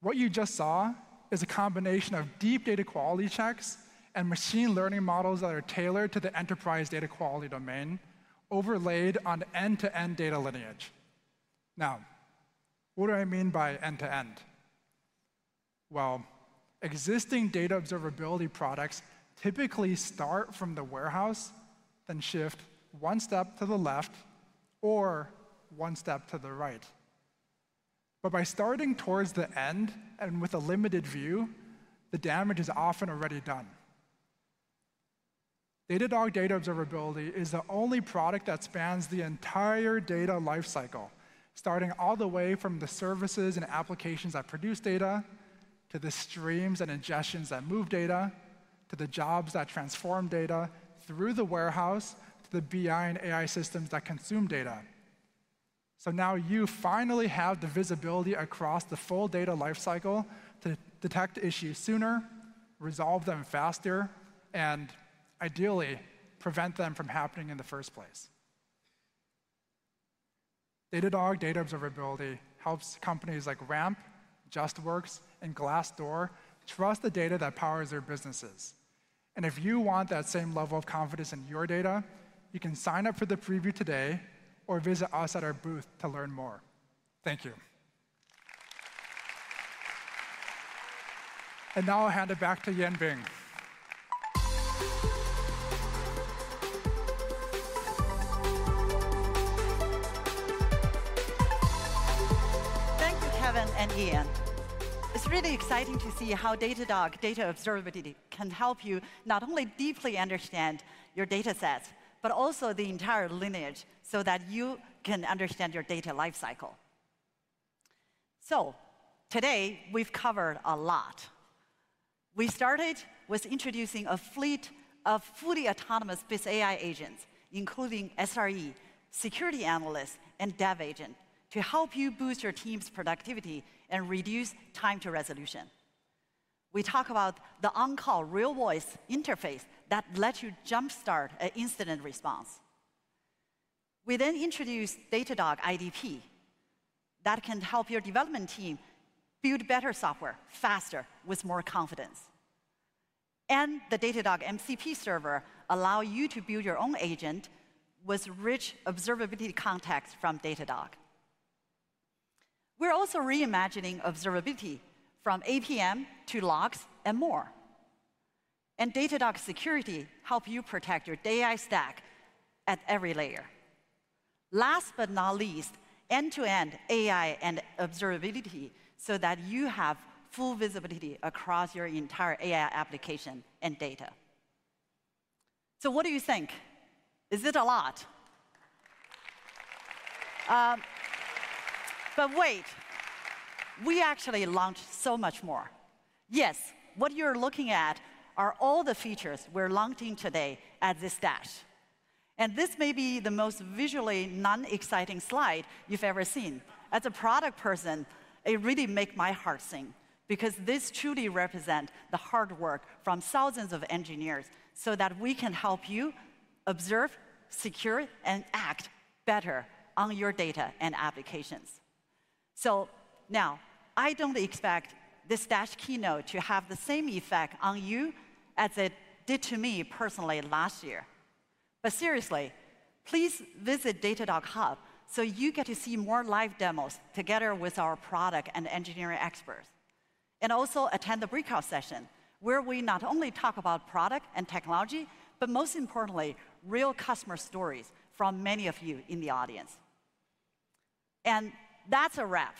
What you just saw is a combination of deep data quality checks and machine learning models that are tailored to the enterprise data quality domain, overlaid on end-to-end data lineage. What do I mean by end-to-end? Existing data observability products typically start from the warehouse, then shift one step to the left or one step to the right. By starting towards the end and with a limited view, the damage is often already done. Datadog Data Observability is the only product that spans the entire data lifecycle, starting all the way from the services and applications that produce data to the streams and ingestions that move data to the jobs that transform data through the warehouse to the BI and AI systems that consume data. Now you finally have the visibility across the full data lifecycle to detect issues sooner, resolve them faster, and ideally prevent them from happening in the first place. Datadog Data Observability helps companies like Ramp, Justworks, and Glassdoor trust the data that powers their businesses. If you want that same level of confidence in your data, you can sign up for the preview today or visit us at our booth to learn more. Thank you. Now I'll hand it back to Yanbing. Thank you, Kevin and Ian. It's really exciting to see how Datadog Data Observability can help you not only deeply understand your data sets, but also the entire lineage so that you can understand your data lifecycle. Today, we've covered a lot. We started with introducing a fleet of fully autonomous Bits AI agents, including SRE, Security Analyst, and Dev Agent to help you boost your team's productivity and reduce time to resolution. We talk about the On Call real voice interface that lets you jump-start an incident response. We then introduced Datadog IDP that can help your development team build better software faster with more confidence. The Datadog MCP Server allows you to build your own agent with rich observability context from Datadog. We're also reimagining observability from APM to logs and more. Datadog Security helps you protect your DI stack at every layer. Last but not least, end-to-end AI and observability so that you have full visibility across your entire AI application and data. What do you think? Is it a lot? Wait, we actually launched so much more. Yes, what you're looking at are all the features we're launching today at this Dash. This may be the most visually non-exciting slide you've ever seen. As a product person, it really makes my heart sing because this truly represents the hard work from thousands of engineers so that we can help you observe, secure, and act better on your data and applications. Now, I don't expect this Dash keynote to have the same effect on you as it did to me personally last year. Seriously, please visit Datadog hub so you get to see more live demos together with our product and engineering experts. Also attend the breakout session where we not only talk about product and technology, but most importantly, real customer stories from many of you in the audience. That's a wrap.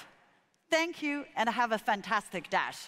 Thank you, and have a fantastic Dash.